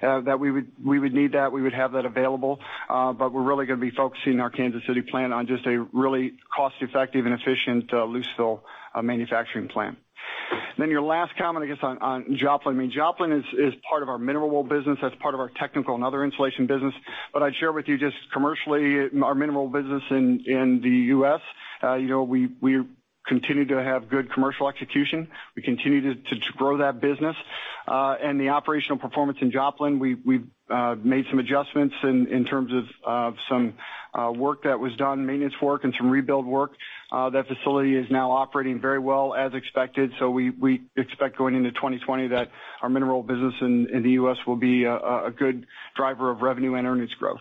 Speaker 3: that we would need that, we would have that available. But we're really going to be focusing our Kansas City plant on just a really cost-effective and efficient loosefill manufacturing plant. Then your last comment, I guess, on Joplin. I mean, Joplin is part of our mineral wool business. That's part of our technical and other insulation business. But I'd share with you just commercially our mineral business in the U.S. We continue to have good commercial execution. We continue to grow that business. And the operational performance in Joplin, we've made some adjustments in terms of some work that was done, maintenance work and some rebuild work. That facility is now operating very well as expected. So we expect going into 2020 that our mineral business in the U.S. will be a good driver of revenue and earnings growth.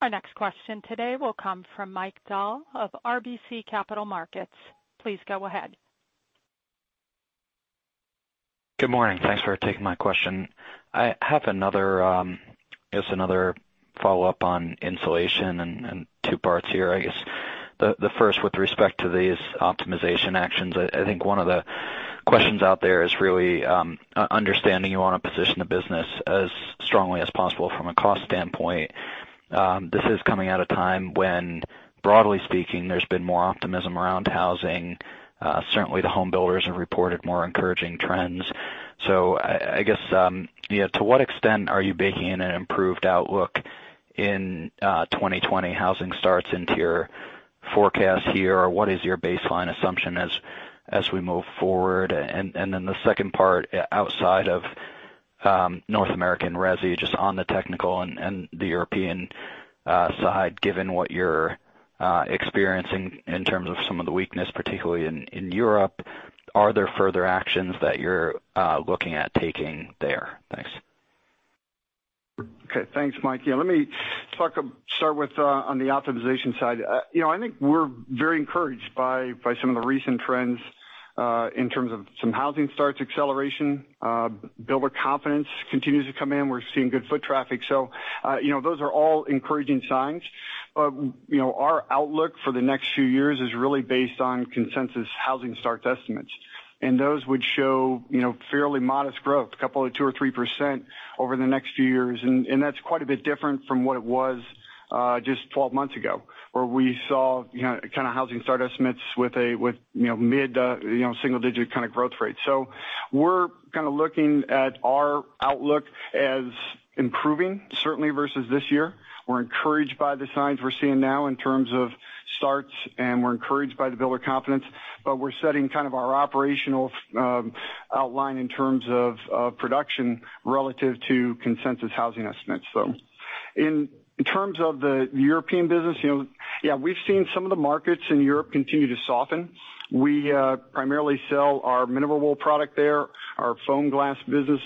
Speaker 1: Our next question today will come from Mike Dahl of RBC Capital Markets. Please go ahead.
Speaker 6: Good morning. Thanks for taking my question. I have another follow-up on insulation in two parts here, I guess. The first, with respect to these optimization actions, I think one of the questions out there is really understanding you want to position the business as strongly as possible from a cost standpoint. This is coming at a time when, broadly speaking, there's been more optimism around housing. Certainly, the homebuilders have reported more encouraging trends. So I guess, to what extent are you baking in an improved outlook in 2020 housing starts into your forecast here? What is your baseline assumption as we move forward? And then the second part, outside of North America and resi, just on the technical and the European side, given what you're experiencing in terms of some of the weakness, particularly in Europe, are there further actions that you're looking at taking there? Thanks.
Speaker 3: Okay. Thanks, Mike. Yeah. Let me start with on the optimization side. I think we're very encouraged by some of the recent trends in terms of some housing starts acceleration. Builder confidence continues to come in. We're seeing good foot traffic. So those are all encouraging signs. But our outlook for the next few years is really based on consensus housing starts estimates. And those would show fairly modest growth, a couple of 2% or 3% over the next few years. And that's quite a bit different from what it was just 12 months ago where we saw kind of housing start estimates with mid-single-digit kind of growth rate. So we're kind of looking at our outlook as improving, certainly versus this year. We're encouraged by the signs we're seeing now in terms of starts, and we're encouraged by the builder confidence. But we're setting kind of our operational outline in terms of production relative to consensus housing estimates. So in terms of the European business, yeah, we've seen some of the markets in Europe continue to soften. We primarily sell our mineral wool product there, our FOAMGLAS business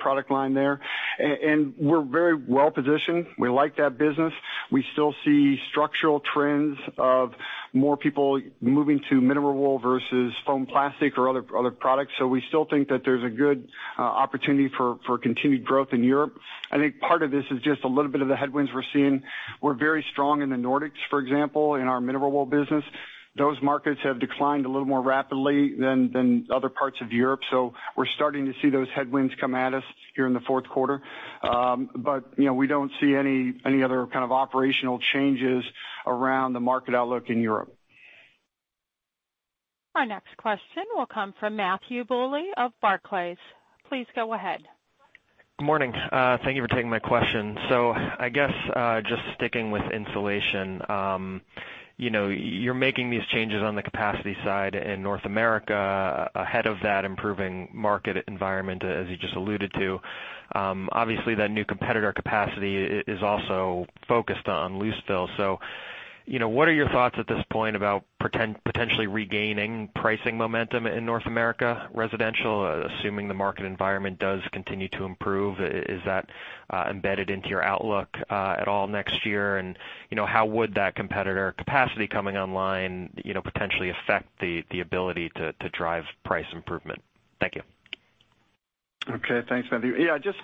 Speaker 3: product line there. And we're very well positioned. We like that business. We still see structural trends of more people moving to mineral wool versus foam plastic or other products. So we still think that there's a good opportunity for continued growth in Europe. I think part of this is just a little bit of the headwinds we're seeing. We're very strong in the Nordics, for example, in our mineral wool business. Those markets have declined a little more rapidly than other parts of Europe. So we're starting to see those headwinds come at us here in the fourth quarter. But we don't see any other kind of operational changes around the market outlook in Europe.
Speaker 1: Our next question will come from Matthew Bouley of Barclays. Please go ahead.
Speaker 7: Good morning. Thank you for taking my question. So I guess just sticking with insulation, you're making these changes on the capacity side in North America ahead of that improving market environment, as you just alluded to. Obviously, that new competitor capacity is also focused on loosefill. So what are your thoughts at this point about potentially regaining pricing momentum in North America residential, assuming the market environment does continue to improve? Is that embedded into your outlook at all next year? And how would that competitor capacity coming online potentially affect the ability to drive price improvement? Thank you.
Speaker 3: Okay. Thanks, Matthew. Yeah. Just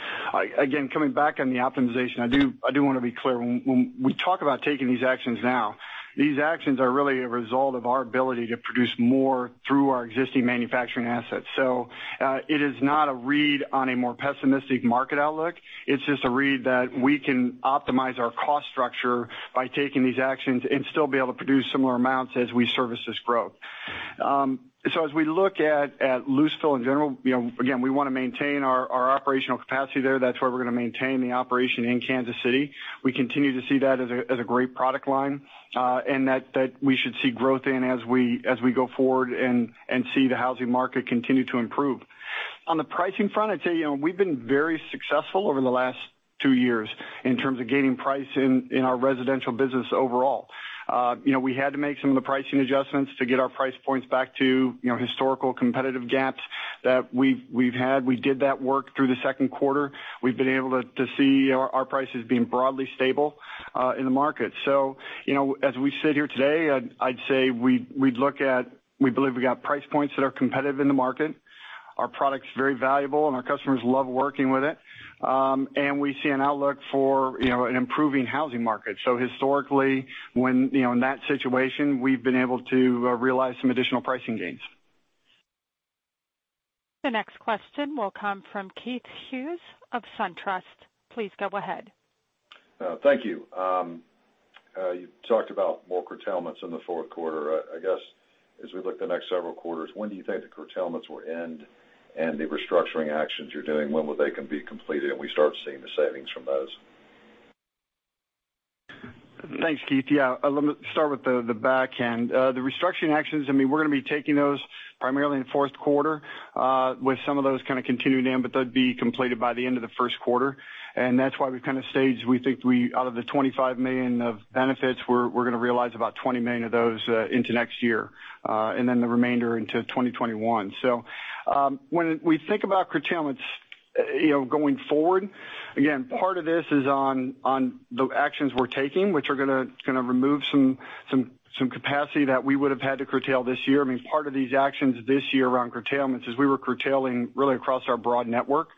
Speaker 3: again, coming back on the optimization, I do want to be clear. When we talk about taking these actions now, these actions are really a result of our ability to produce more through our existing manufacturing assets. So it is not a read on a more pessimistic market outlook. It's just a read that we can optimize our cost structure by taking these actions and still be able to produce similar amounts as we service this growth. So as we look at loosefill in general, again, we want to maintain our operational capacity there. That's where we're going to maintain the operation in Kansas City. We continue to see that as a great product line and that we should see growth in as we go forward and see the housing market continue to improve. On the pricing front, I'd say we've been very successful over the last two years in terms of gaining price in our residential business overall. We had to make some of the pricing adjustments to get our price points back to historical competitive gaps that we've had. We did that work through the second quarter. We've been able to see our prices being broadly stable in the market, so as we sit here today, I'd say we'd look at we believe we got price points that are competitive in the market. Our product's very valuable, and our customers love working with it, and we see an outlook for an improving housing market, so historically, in that situation, we've been able to realize some additional pricing gains.
Speaker 1: The next question will come from Keith Hughes of SunTrust. Please go ahead.
Speaker 8: Thank you. You talked about more curtailments in the fourth quarter. I guess as we look at the next several quarters, when do you think the curtailments will end and the restructuring actions you're doing, when will they be completed and we start seeing the savings from those?
Speaker 3: Thanks, Keith. Yeah. Let me start with the backend. The restructuring actions, I mean, we're going to be taking those primarily in fourth quarter with some of those kind of continuing in, but they'd be completed by the end of the first quarter. And that's why we've kind of staged we think out of the $25 million of benefits, we're going to realize about $20 million of those into next year and then the remainder into 2021. So when we think about curtailments going forward, again, part of this is on the actions we're taking, which are going to remove some capacity that we would have had to curtail this year. I mean, part of these actions this year around curtailments is we were curtailing really across our broad network.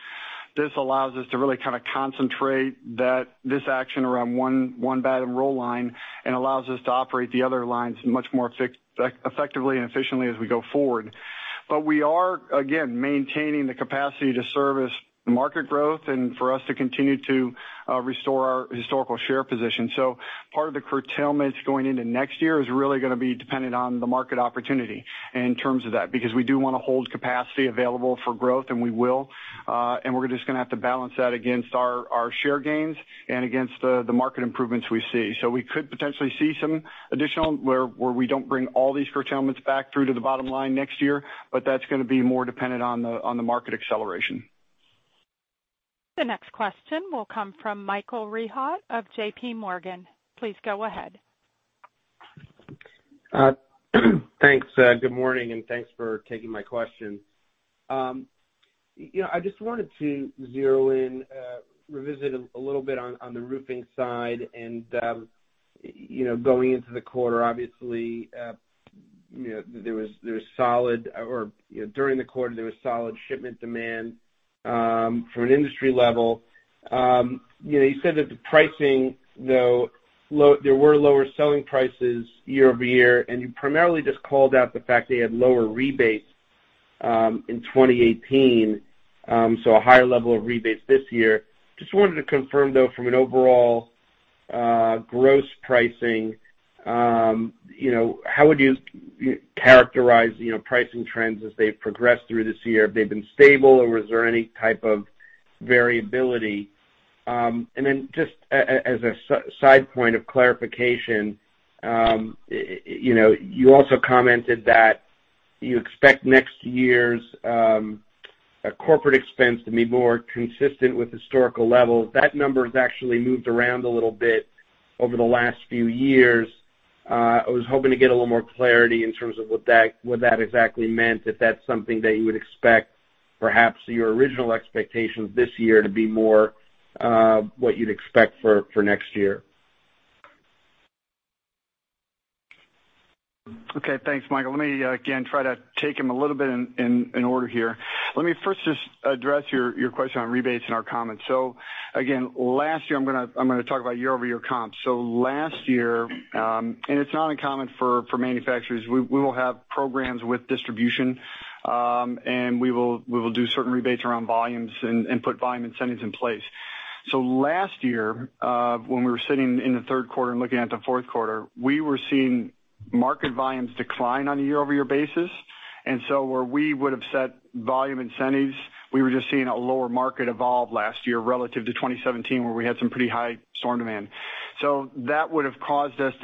Speaker 3: This allows us to really kind of concentrate this action around one batts and rolls line and allows us to operate the other lines much more effectively and efficiently as we go forward. But we are, again, maintaining the capacity to service the market growth and for us to continue to restore our historical share position. So part of the curtailments going into next year is really going to be dependent on the market opportunity in terms of that because we do want to hold capacity available for growth, and we will. And we're just going to have to balance that against our share gains and against the market improvements we see. So we could potentially see some additional where we don't bring all these curtailments back through to the bottom line next year, but that's going to be more dependent on the market acceleration.
Speaker 1: The next question will come from Michael Rehaut of JPMorgan. Please go ahead.
Speaker 9: Thanks. Good morning, and thanks for taking my question. I just wanted to zero in, revisit a little bit on the roofing side and going into the quarter. Obviously, there was solid shipment demand from an industry level. You said that the pricing, though, there were lower selling prices year-over-year, and you primarily just called out the fact they had lower rebates in 2018, so a higher level of rebates this year. Just wanted to confirm, though, from an overall gross pricing, how would you characterize pricing trends as they've progressed through this year? Have they been stable, or was there any type of variability? And then just as a side point of clarification, you also commented that you expect next year's corporate expense to be more consistent with historical levels. That number has actually moved around a little bit over the last few years. I was hoping to get a little more clarity in terms of what that exactly meant, if that's something that you would expect, perhaps your original expectations this year to be more what you'd expect for next year.
Speaker 3: Okay. Thanks, Michael. Let me again try to take them a little bit in order here. Let me first just address your question on rebates and our comments. So again, last year, I'm going to talk about year-over-year comps. So last year, and it's not uncommon for manufacturers, we will have programs with distribution, and we will do certain rebates around volumes and put volume incentives in place. So last year, when we were sitting in the third quarter and looking at the fourth quarter, we were seeing market volumes decline on a year-over-year basis. And so where we would have set volume incentives, we were just seeing a lower market evolve last year relative to 2017, where we had some pretty high storm demand. So that would have caused us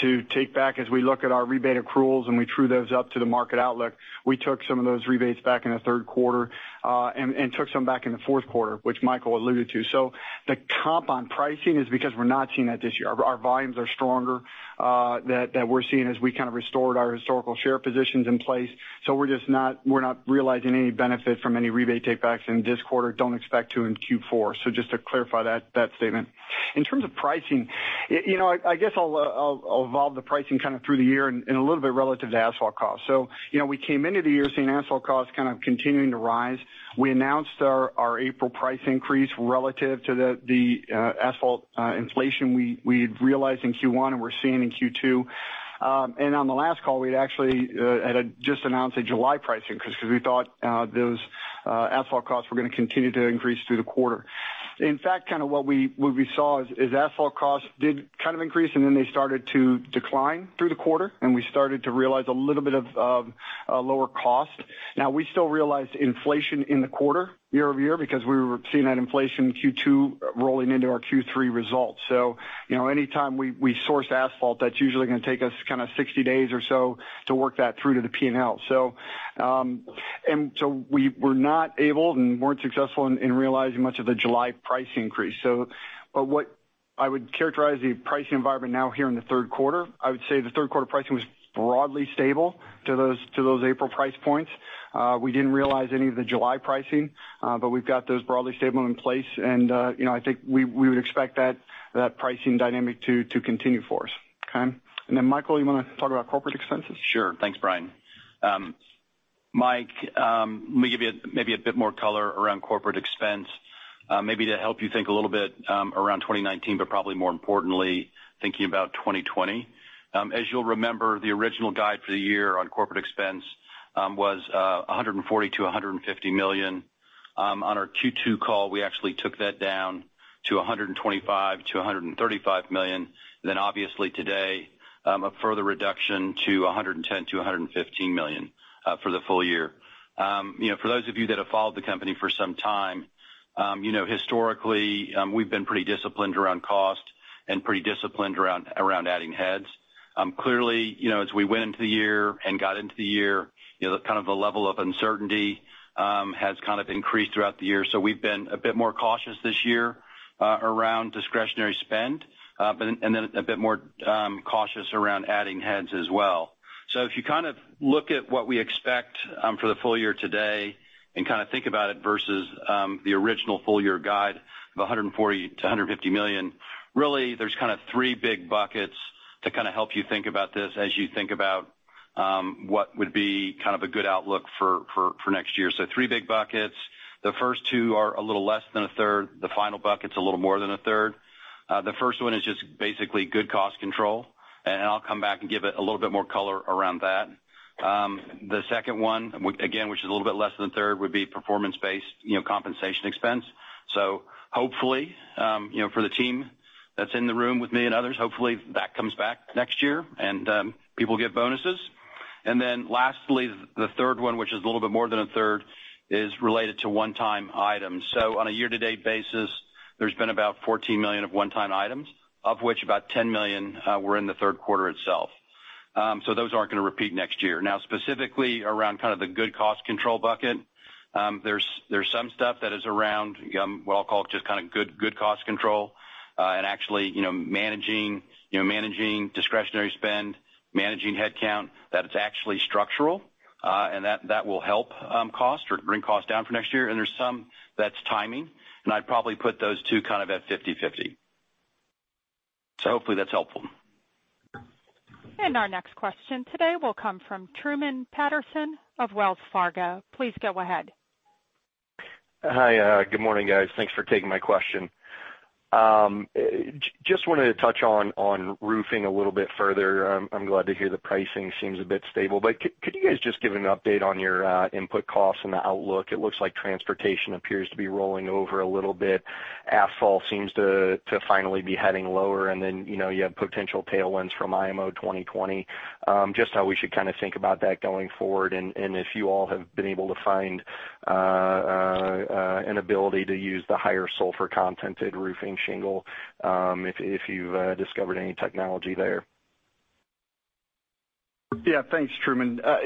Speaker 3: to take back, as we look at our rebate accruals, and we true those up to the market outlook. We took some of those rebates back in the third quarter and took some back in the fourth quarter, which Michael alluded to. So the comp on pricing is because we're not seeing that this year. Our volumes are stronger that we're seeing as we kind of restored our historical share positions in place. So we're not realizing any benefit from any rebate takebacks in this quarter. Don't expect to in Q4. So just to clarify that statement. In terms of pricing, I guess I'll evolve the pricing kind of through the year and a little bit relative to asphalt costs. So we came into the year seeing asphalt costs kind of continuing to rise. We announced our April price increase relative to the asphalt inflation we'd realized in Q1 and we're seeing in Q2. And on the last call, we had actually just announced a July price increase because we thought those asphalt costs were going to continue to increase through the quarter. In fact, kind of what we saw is asphalt costs did kind of increase, and then they started to decline through the quarter, and we started to realize a little bit of lower cost. Now, we still realized inflation in the quarter, year-over-year, because we were seeing that inflation in Q2 rolling into our Q3 results. So anytime we source asphalt, that's usually going to take us kind of 60 days or so to work that through to the P&L. And so we were not able and weren't successful in realizing much of the July price increase. But what I would characterize the pricing environment now here in the third quarter, I would say the third quarter pricing was broadly stable to those April price points. We didn't realize any of the July pricing, but we've got those broadly stable in place. And I think we would expect that pricing dynamic to continue for us. Okay. And then, Michael, you want to talk about corporate expenses?
Speaker 10: Sure. Thanks, Brian. Mike, let me give you maybe a bit more color around corporate expense, maybe to help you think a little bit around 2019, but probably more importantly, thinking about 2020. As you'll remember, the original guide for the year on corporate expense was $140 million-$150 million. On our Q2 call, we actually took that down to $125 million-$135 million. Then, obviously, today, a further reduction to $110 million-$115 million for the full year. For those of you that have followed the company for some time, historically, we've been pretty disciplined around cost and pretty disciplined around adding heads. Clearly, as we went into the year and got into the year, kind of the level of uncertainty has kind of increased throughout the year. So we've been a bit more cautious this year around discretionary spend and then a bit more cautious around adding heads as well. So if you kind of look at what we expect for the full year today and kind of think about it versus the original full year guide of $140 million-$150 million, really, there's kind of three big buckets to kind of help you think about this as you think about what would be kind of a good outlook for next year. So three big buckets. The first two are a little less than a third. The final bucket's a little more than a third. The first one is just basically good cost control. And I'll come back and give it a little bit more color around that. The second one, again, which is a little bit less than a third, would be performance-based compensation expense. So hopefully, for the team that's in the room with me and others, hopefully, that comes back next year and people get bonuses. And then lastly, the third one, which is a little bit more than a third, is related to one-time items. So on a year-to-date basis, there's been about $14 million of one-time items, of which about $10 million were in the third quarter itself. So those aren't going to repeat next year. Now, specifically around kind of the good cost control bucket, there's some stuff that is around what I'll call just kind of good cost control and actually managing discretionary spend, managing headcount that it's actually structural, and that will help costs or bring costs down for next year. And there's some that's timing. And I'd probably put those two kind of at 50/50. So hopefully, that's helpful.
Speaker 1: And our next question today will come from Truman Patterson of Wells Fargo. Please go ahead.
Speaker 11: Hi. Good morning, guys. Thanks for taking my question. Just wanted to touch on roofing a little bit further. I'm glad to hear the pricing seems a bit stable, but could you guys just give an update on your input costs and the outlook? It looks like transportation appears to be rolling over a little bit. Asphalt seems to finally be heading lower, and then you have potential tailwinds from IMO 2020. Just how we should kind of think about that going forward, and if you all have been able to find an ability to use the higher sulfur content and roofing shingle, if you've discovered any technology there?
Speaker 3: Yeah. Thanks, Truman. I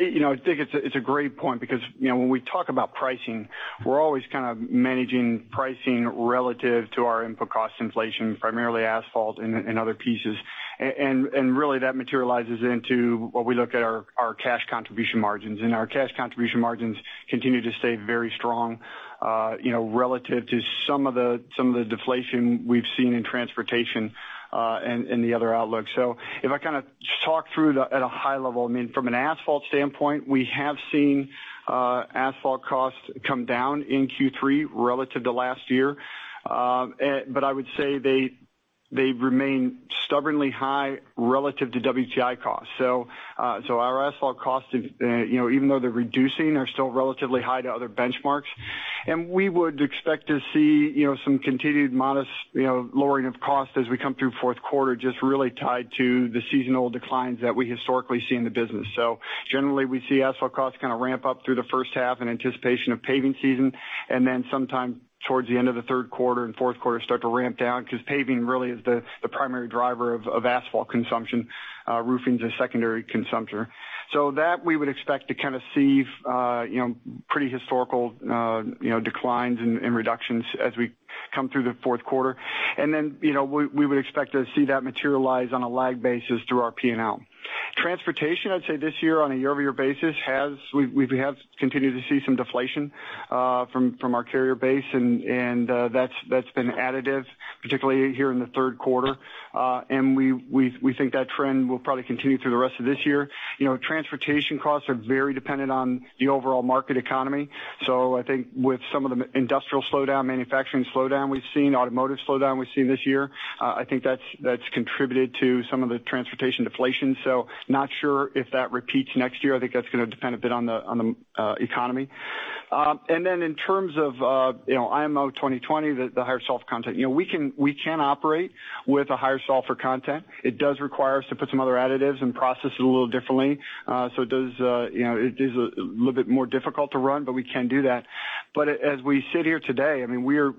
Speaker 3: think it's a great point because when we talk about pricing, we're always kind of managing pricing relative to our input cost inflation, primarily asphalt and other pieces. And really, that materializes into what we look at our cash contribution margins. And our cash contribution margins continue to stay very strong relative to some of the deflation we've seen in transportation and the other outlook. So if I kind of talk through at a high level, I mean, from an asphalt standpoint, we have seen asphalt costs come down in Q3 relative to last year. But I would say they remain stubbornly high relative to WTI costs. So our asphalt costs, even though they're reducing, are still relatively high to other benchmarks. We would expect to see some continued modest lowering of costs as we come through fourth quarter, just really tied to the seasonal declines that we historically see in the business. Generally, we see asphalt costs kind of ramp up through the first half in anticipation of paving season, and then sometime towards the end of the third quarter and fourth quarter start to ramp down because paving really is the primary driver of asphalt consumption. Roofing's a secondary consumer. That we would expect to kind of see pretty historical declines and reductions as we come through the fourth quarter. Then we would expect to see that materialize on a lag basis through our P&L. Transportation, I'd say this year on a year-over-year basis, we have continued to see some deflation from our carrier base, and that's been additive, particularly here in the third quarter. And we think that trend will probably continue through the rest of this year. Transportation costs are very dependent on the overall market economy. So I think with some of the industrial slowdown, manufacturing slowdown we've seen, automotive slowdown we've seen this year, I think that's contributed to some of the transportation deflation. So not sure if that repeats next year. I think that's going to depend a bit on the economy. And then in terms of IMO 2020, the higher sulfur content, we can operate with a higher sulfur content. It does require us to put some other additives and process it a little differently. So it is a little bit more difficult to run, but we can do that. But as we sit here today, I mean, we are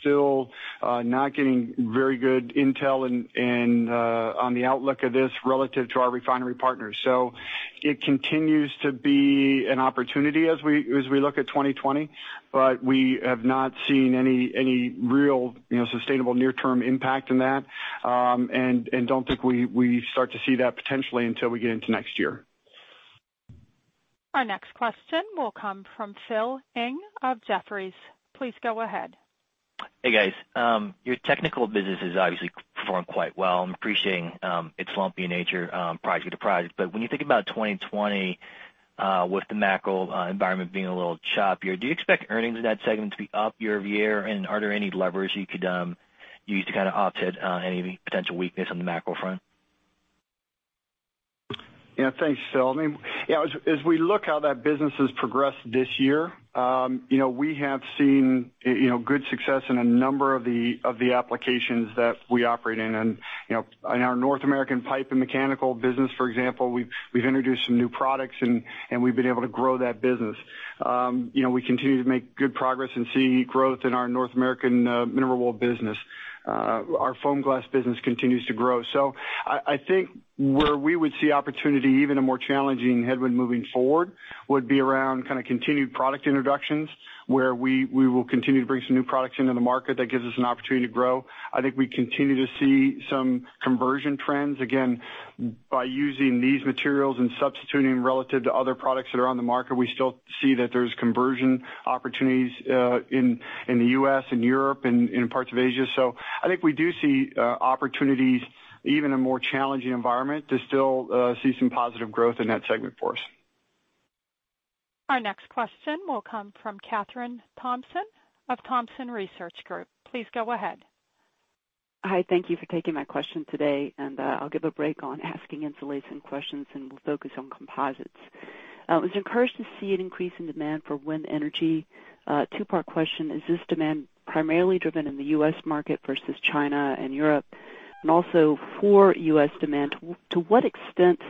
Speaker 3: still not getting very good intel on the outlook of this relative to our refinery partners. So it continues to be an opportunity as we look at 2020, but we have not seen any real sustainable near-term impact in that and don't think we start to see that potentially until we get into next year.
Speaker 1: Our next question will come from Phil Ng of Jefferies. Please go ahead.
Speaker 12: Hey, guys. Your technical business is obviously performing quite well. I appreciate its lumpy nature project to project. But when you think about 2020 with the macro environment being a little choppier, do you expect earnings in that segment to be up year-over-year? And are there any levers you could use to kind of offset any potential weakness on the macro front?
Speaker 3: Yeah. Thanks, Phil. I mean, as we look how that business has progressed this year, we have seen good success in a number of the applications that we operate in. And in our North American pipe and mechanical business, for example, we've introduced some new products, and we've been able to grow that business. We continue to make good progress and see growth in our North American mineral wool business. Our foam glass business continues to grow. So I think where we would see opportunity, even a more challenging headwind moving forward, would be around kind of continued product introductions where we will continue to bring some new products into the market that gives us an opportunity to grow. I think we continue to see some conversion trends. Again, by using these materials and substituting them relative to other products that are on the market, we still see that there's conversion opportunities in the U.S., in Europe, and in parts of Asia. So I think we do see opportunities, even in a more challenging environment, to still see some positive growth in that segment for us.
Speaker 1: Our next question will come from Kathryn Thompson of Thompson Research Group. Please go ahead.
Speaker 13: Hi. Thank you for taking my question today, and I'll give a break on asking insulation questions, and we'll focus on composites. I was encouraged to see an increase in demand for wind energy. Two-part question. Is this demand primarily driven in the U.S. market versus China and Europe? And also for U.S. demand, to what extent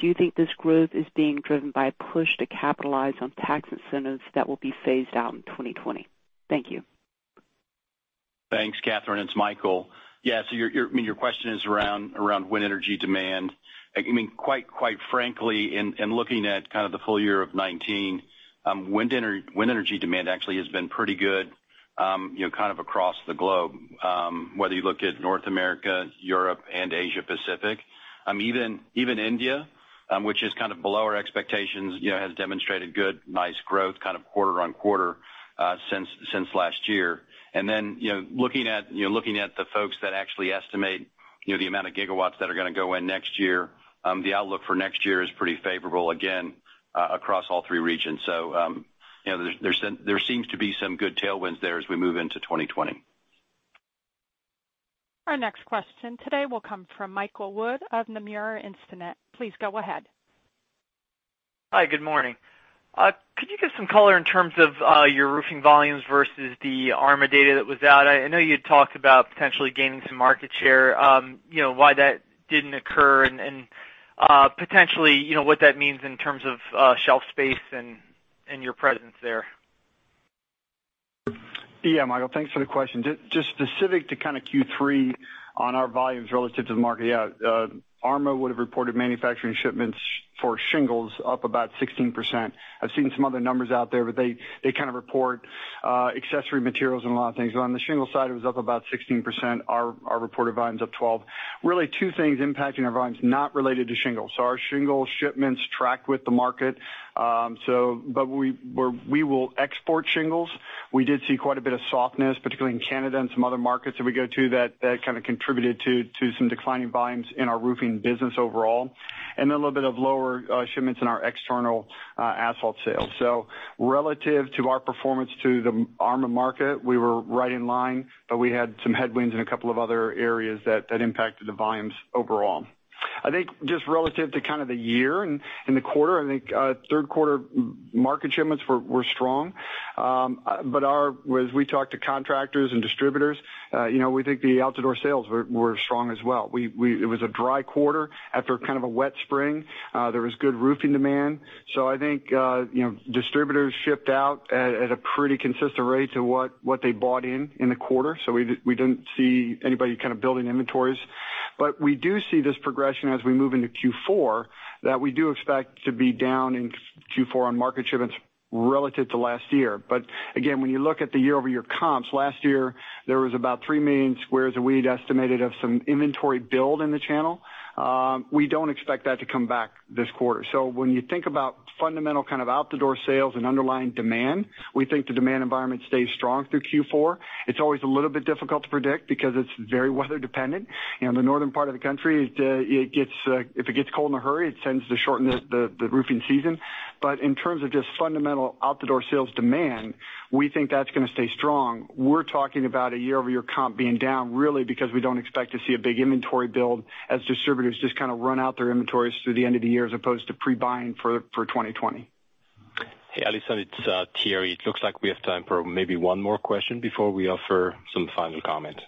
Speaker 13: do you think this growth is being driven by a push to capitalize on tax incentives that will be phased out in 2020? Thank you.
Speaker 10: Thanks, Kathryn. It's Michael. Yeah. So I mean, your question is around wind energy demand. I mean, quite frankly, in looking at kind of the full year of 2019, wind energy demand actually has been pretty good kind of across the globe, whether you look at North America, Europe, and Asia-Pacific. Even India, which is kind of below our expectations, has demonstrated good, nice growth kind of quarter-on-quarter since last year. And then looking at the folks that actually estimate the amount of gigawatts that are going to go in next year, the outlook for next year is pretty favorable, again, across all three regions. So there seems to be some good tailwinds there as we move into 2020.
Speaker 1: Our next question today will come from Michael Wood of Nomura Instinet. Please go ahead.
Speaker 14: Hi. Good morning. Could you give some color in terms of your roofing volumes versus the ARMA data that was out? I know you'd talked about potentially gaining some market share, why that didn't occur, and potentially what that means in terms of shelf space and your presence there.
Speaker 3: Yeah, Michael, thanks for the question. Just specific to kind of Q3 on our volumes relative to the market, yeah, ARMA would have reported manufacturing shipments for shingles up about 16%. I've seen some other numbers out there, but they kind of report accessory materials and a lot of things. On the shingle side, it was up about 16%. Our reported volume's up 12%. Really, two things impacting our volumes not related to shingles. So our shingle shipments track with the market. But we will export shingles. We did see quite a bit of softness, particularly in Canada and some other markets that we go to that kind of contributed to some declining volumes in our roofing business overall. And then a little bit of lower shipments in our external asphalt sales. So relative to our performance to the ARMA market, we were right in line, but we had some headwinds in a couple of other areas that impacted the volumes overall. I think just relative to kind of the year and the quarter, I think third quarter market shipments were strong. But as we talked to contractors and distributors, we think the outside sales were strong as well. It was a dry quarter after kind of a wet spring. There was good roofing demand. So I think distributors shipped out at a pretty consistent rate to what they bought in in the quarter. So we didn't see anybody kind of building inventories. But we do see this progression as we move into Q4 that we do expect to be down in Q4 on market shipments relative to last year. But again, when you look at the year-over-year comps, last year, there was about three million squares we estimated of some inventory build in the channel. We don't expect that to come back this quarter. So when you think about fundamental kind of outside sales and underlying demand, we think the demand environment stays strong through Q4. It's always a little bit difficult to predict because it's very weather-dependent. In the northern part of the country, if it gets cold in a hurry, it tends to shorten the roofing season. But in terms of just fundamental outside sales demand, we think that's going to stay strong. We're talking about a year-over-year comp being down really because we don't expect to see a big inventory build as distributors just kind of run out their inventories through the end of the year as opposed to pre-buying for 2020.
Speaker 2: Hey, Allison, it's Thierry. It looks like we have time for maybe one more question before we offer some final comment.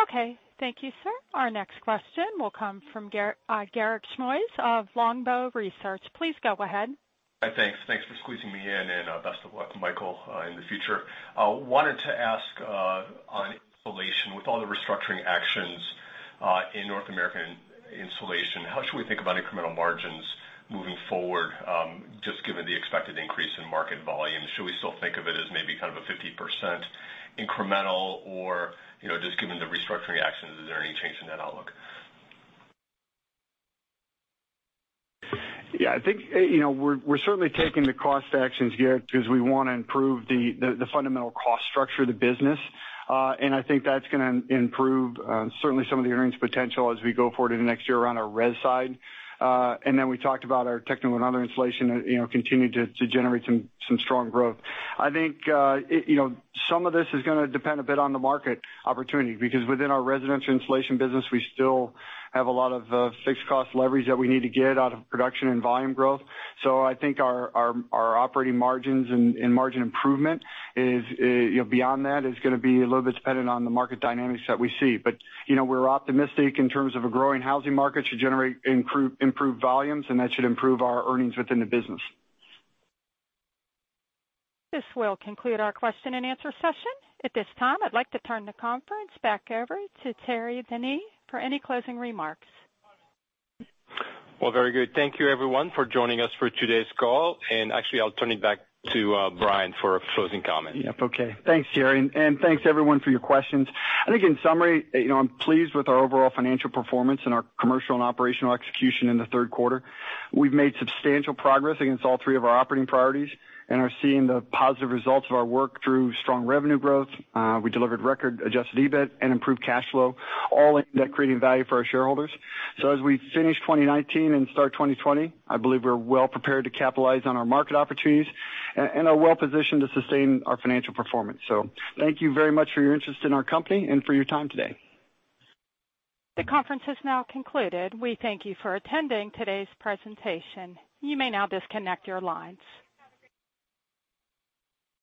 Speaker 3: Okay. Thank you, sir. Our next question will come from Garik Shmois of Longbow Research. Please go ahead.
Speaker 15: Hi. Thanks. Thanks for squeezing me in, and best of luck, Michael, in the future. I wanted to ask on insulation, with all the restructuring actions in North American insulation, how should we think about incremental margins moving forward, just given the expected increase in market volume? Should we still think of it as maybe kind of a 50% incremental, or just given the restructuring actions, is there any change in that outlook?
Speaker 3: Yeah. I think we're certainly taking the cost actions here because we want to improve the fundamental cost structure of the business. And I think that's going to improve certainly some of the earnings potential as we go forward into next year around our res side. And then we talked about our technical and other insulation continuing to generate some strong growth. I think some of this is going to depend a bit on the market opportunity. Within our residential insulation business, we still have a lot of fixed cost leverage that we need to get out of production and volume growth. I think our operating margins and margin improvement beyond that is going to be a little bit dependent on the market dynamics that we see. We're optimistic in terms of a growing housing market should generate improved volumes, and that should improve our earnings within the business.
Speaker 1: This will conclude our question-and-answer session. At this time, I'd like to turn the conference back over to Thierry Denis for any closing remarks.
Speaker 2: Very good. Thank you, everyone, for joining us for today's call. Actually, I'll turn it back to Brian for a closing comment.
Speaker 3: Yep. Okay. Thanks, Thierry. And thanks, everyone, for your questions. I think in summary, I'm pleased with our overall financial performance and our commercial and operational execution in the third quarter. We've made substantial progress against all three of our operating priorities and are seeing the positive results of our work through strong revenue growth. We delivered record-adjusted EBIT and improved cash flow, all aimed at creating value for our shareholders. So as we finish 2019 and start 2020, I believe we're well prepared to capitalize on our market opportunities and are well positioned to sustain our financial performance. So thank you very much for your interest in our company and for your time today.
Speaker 1: The conference has now concluded. We thank you for attending today's presentation. You may now disconnect your lines.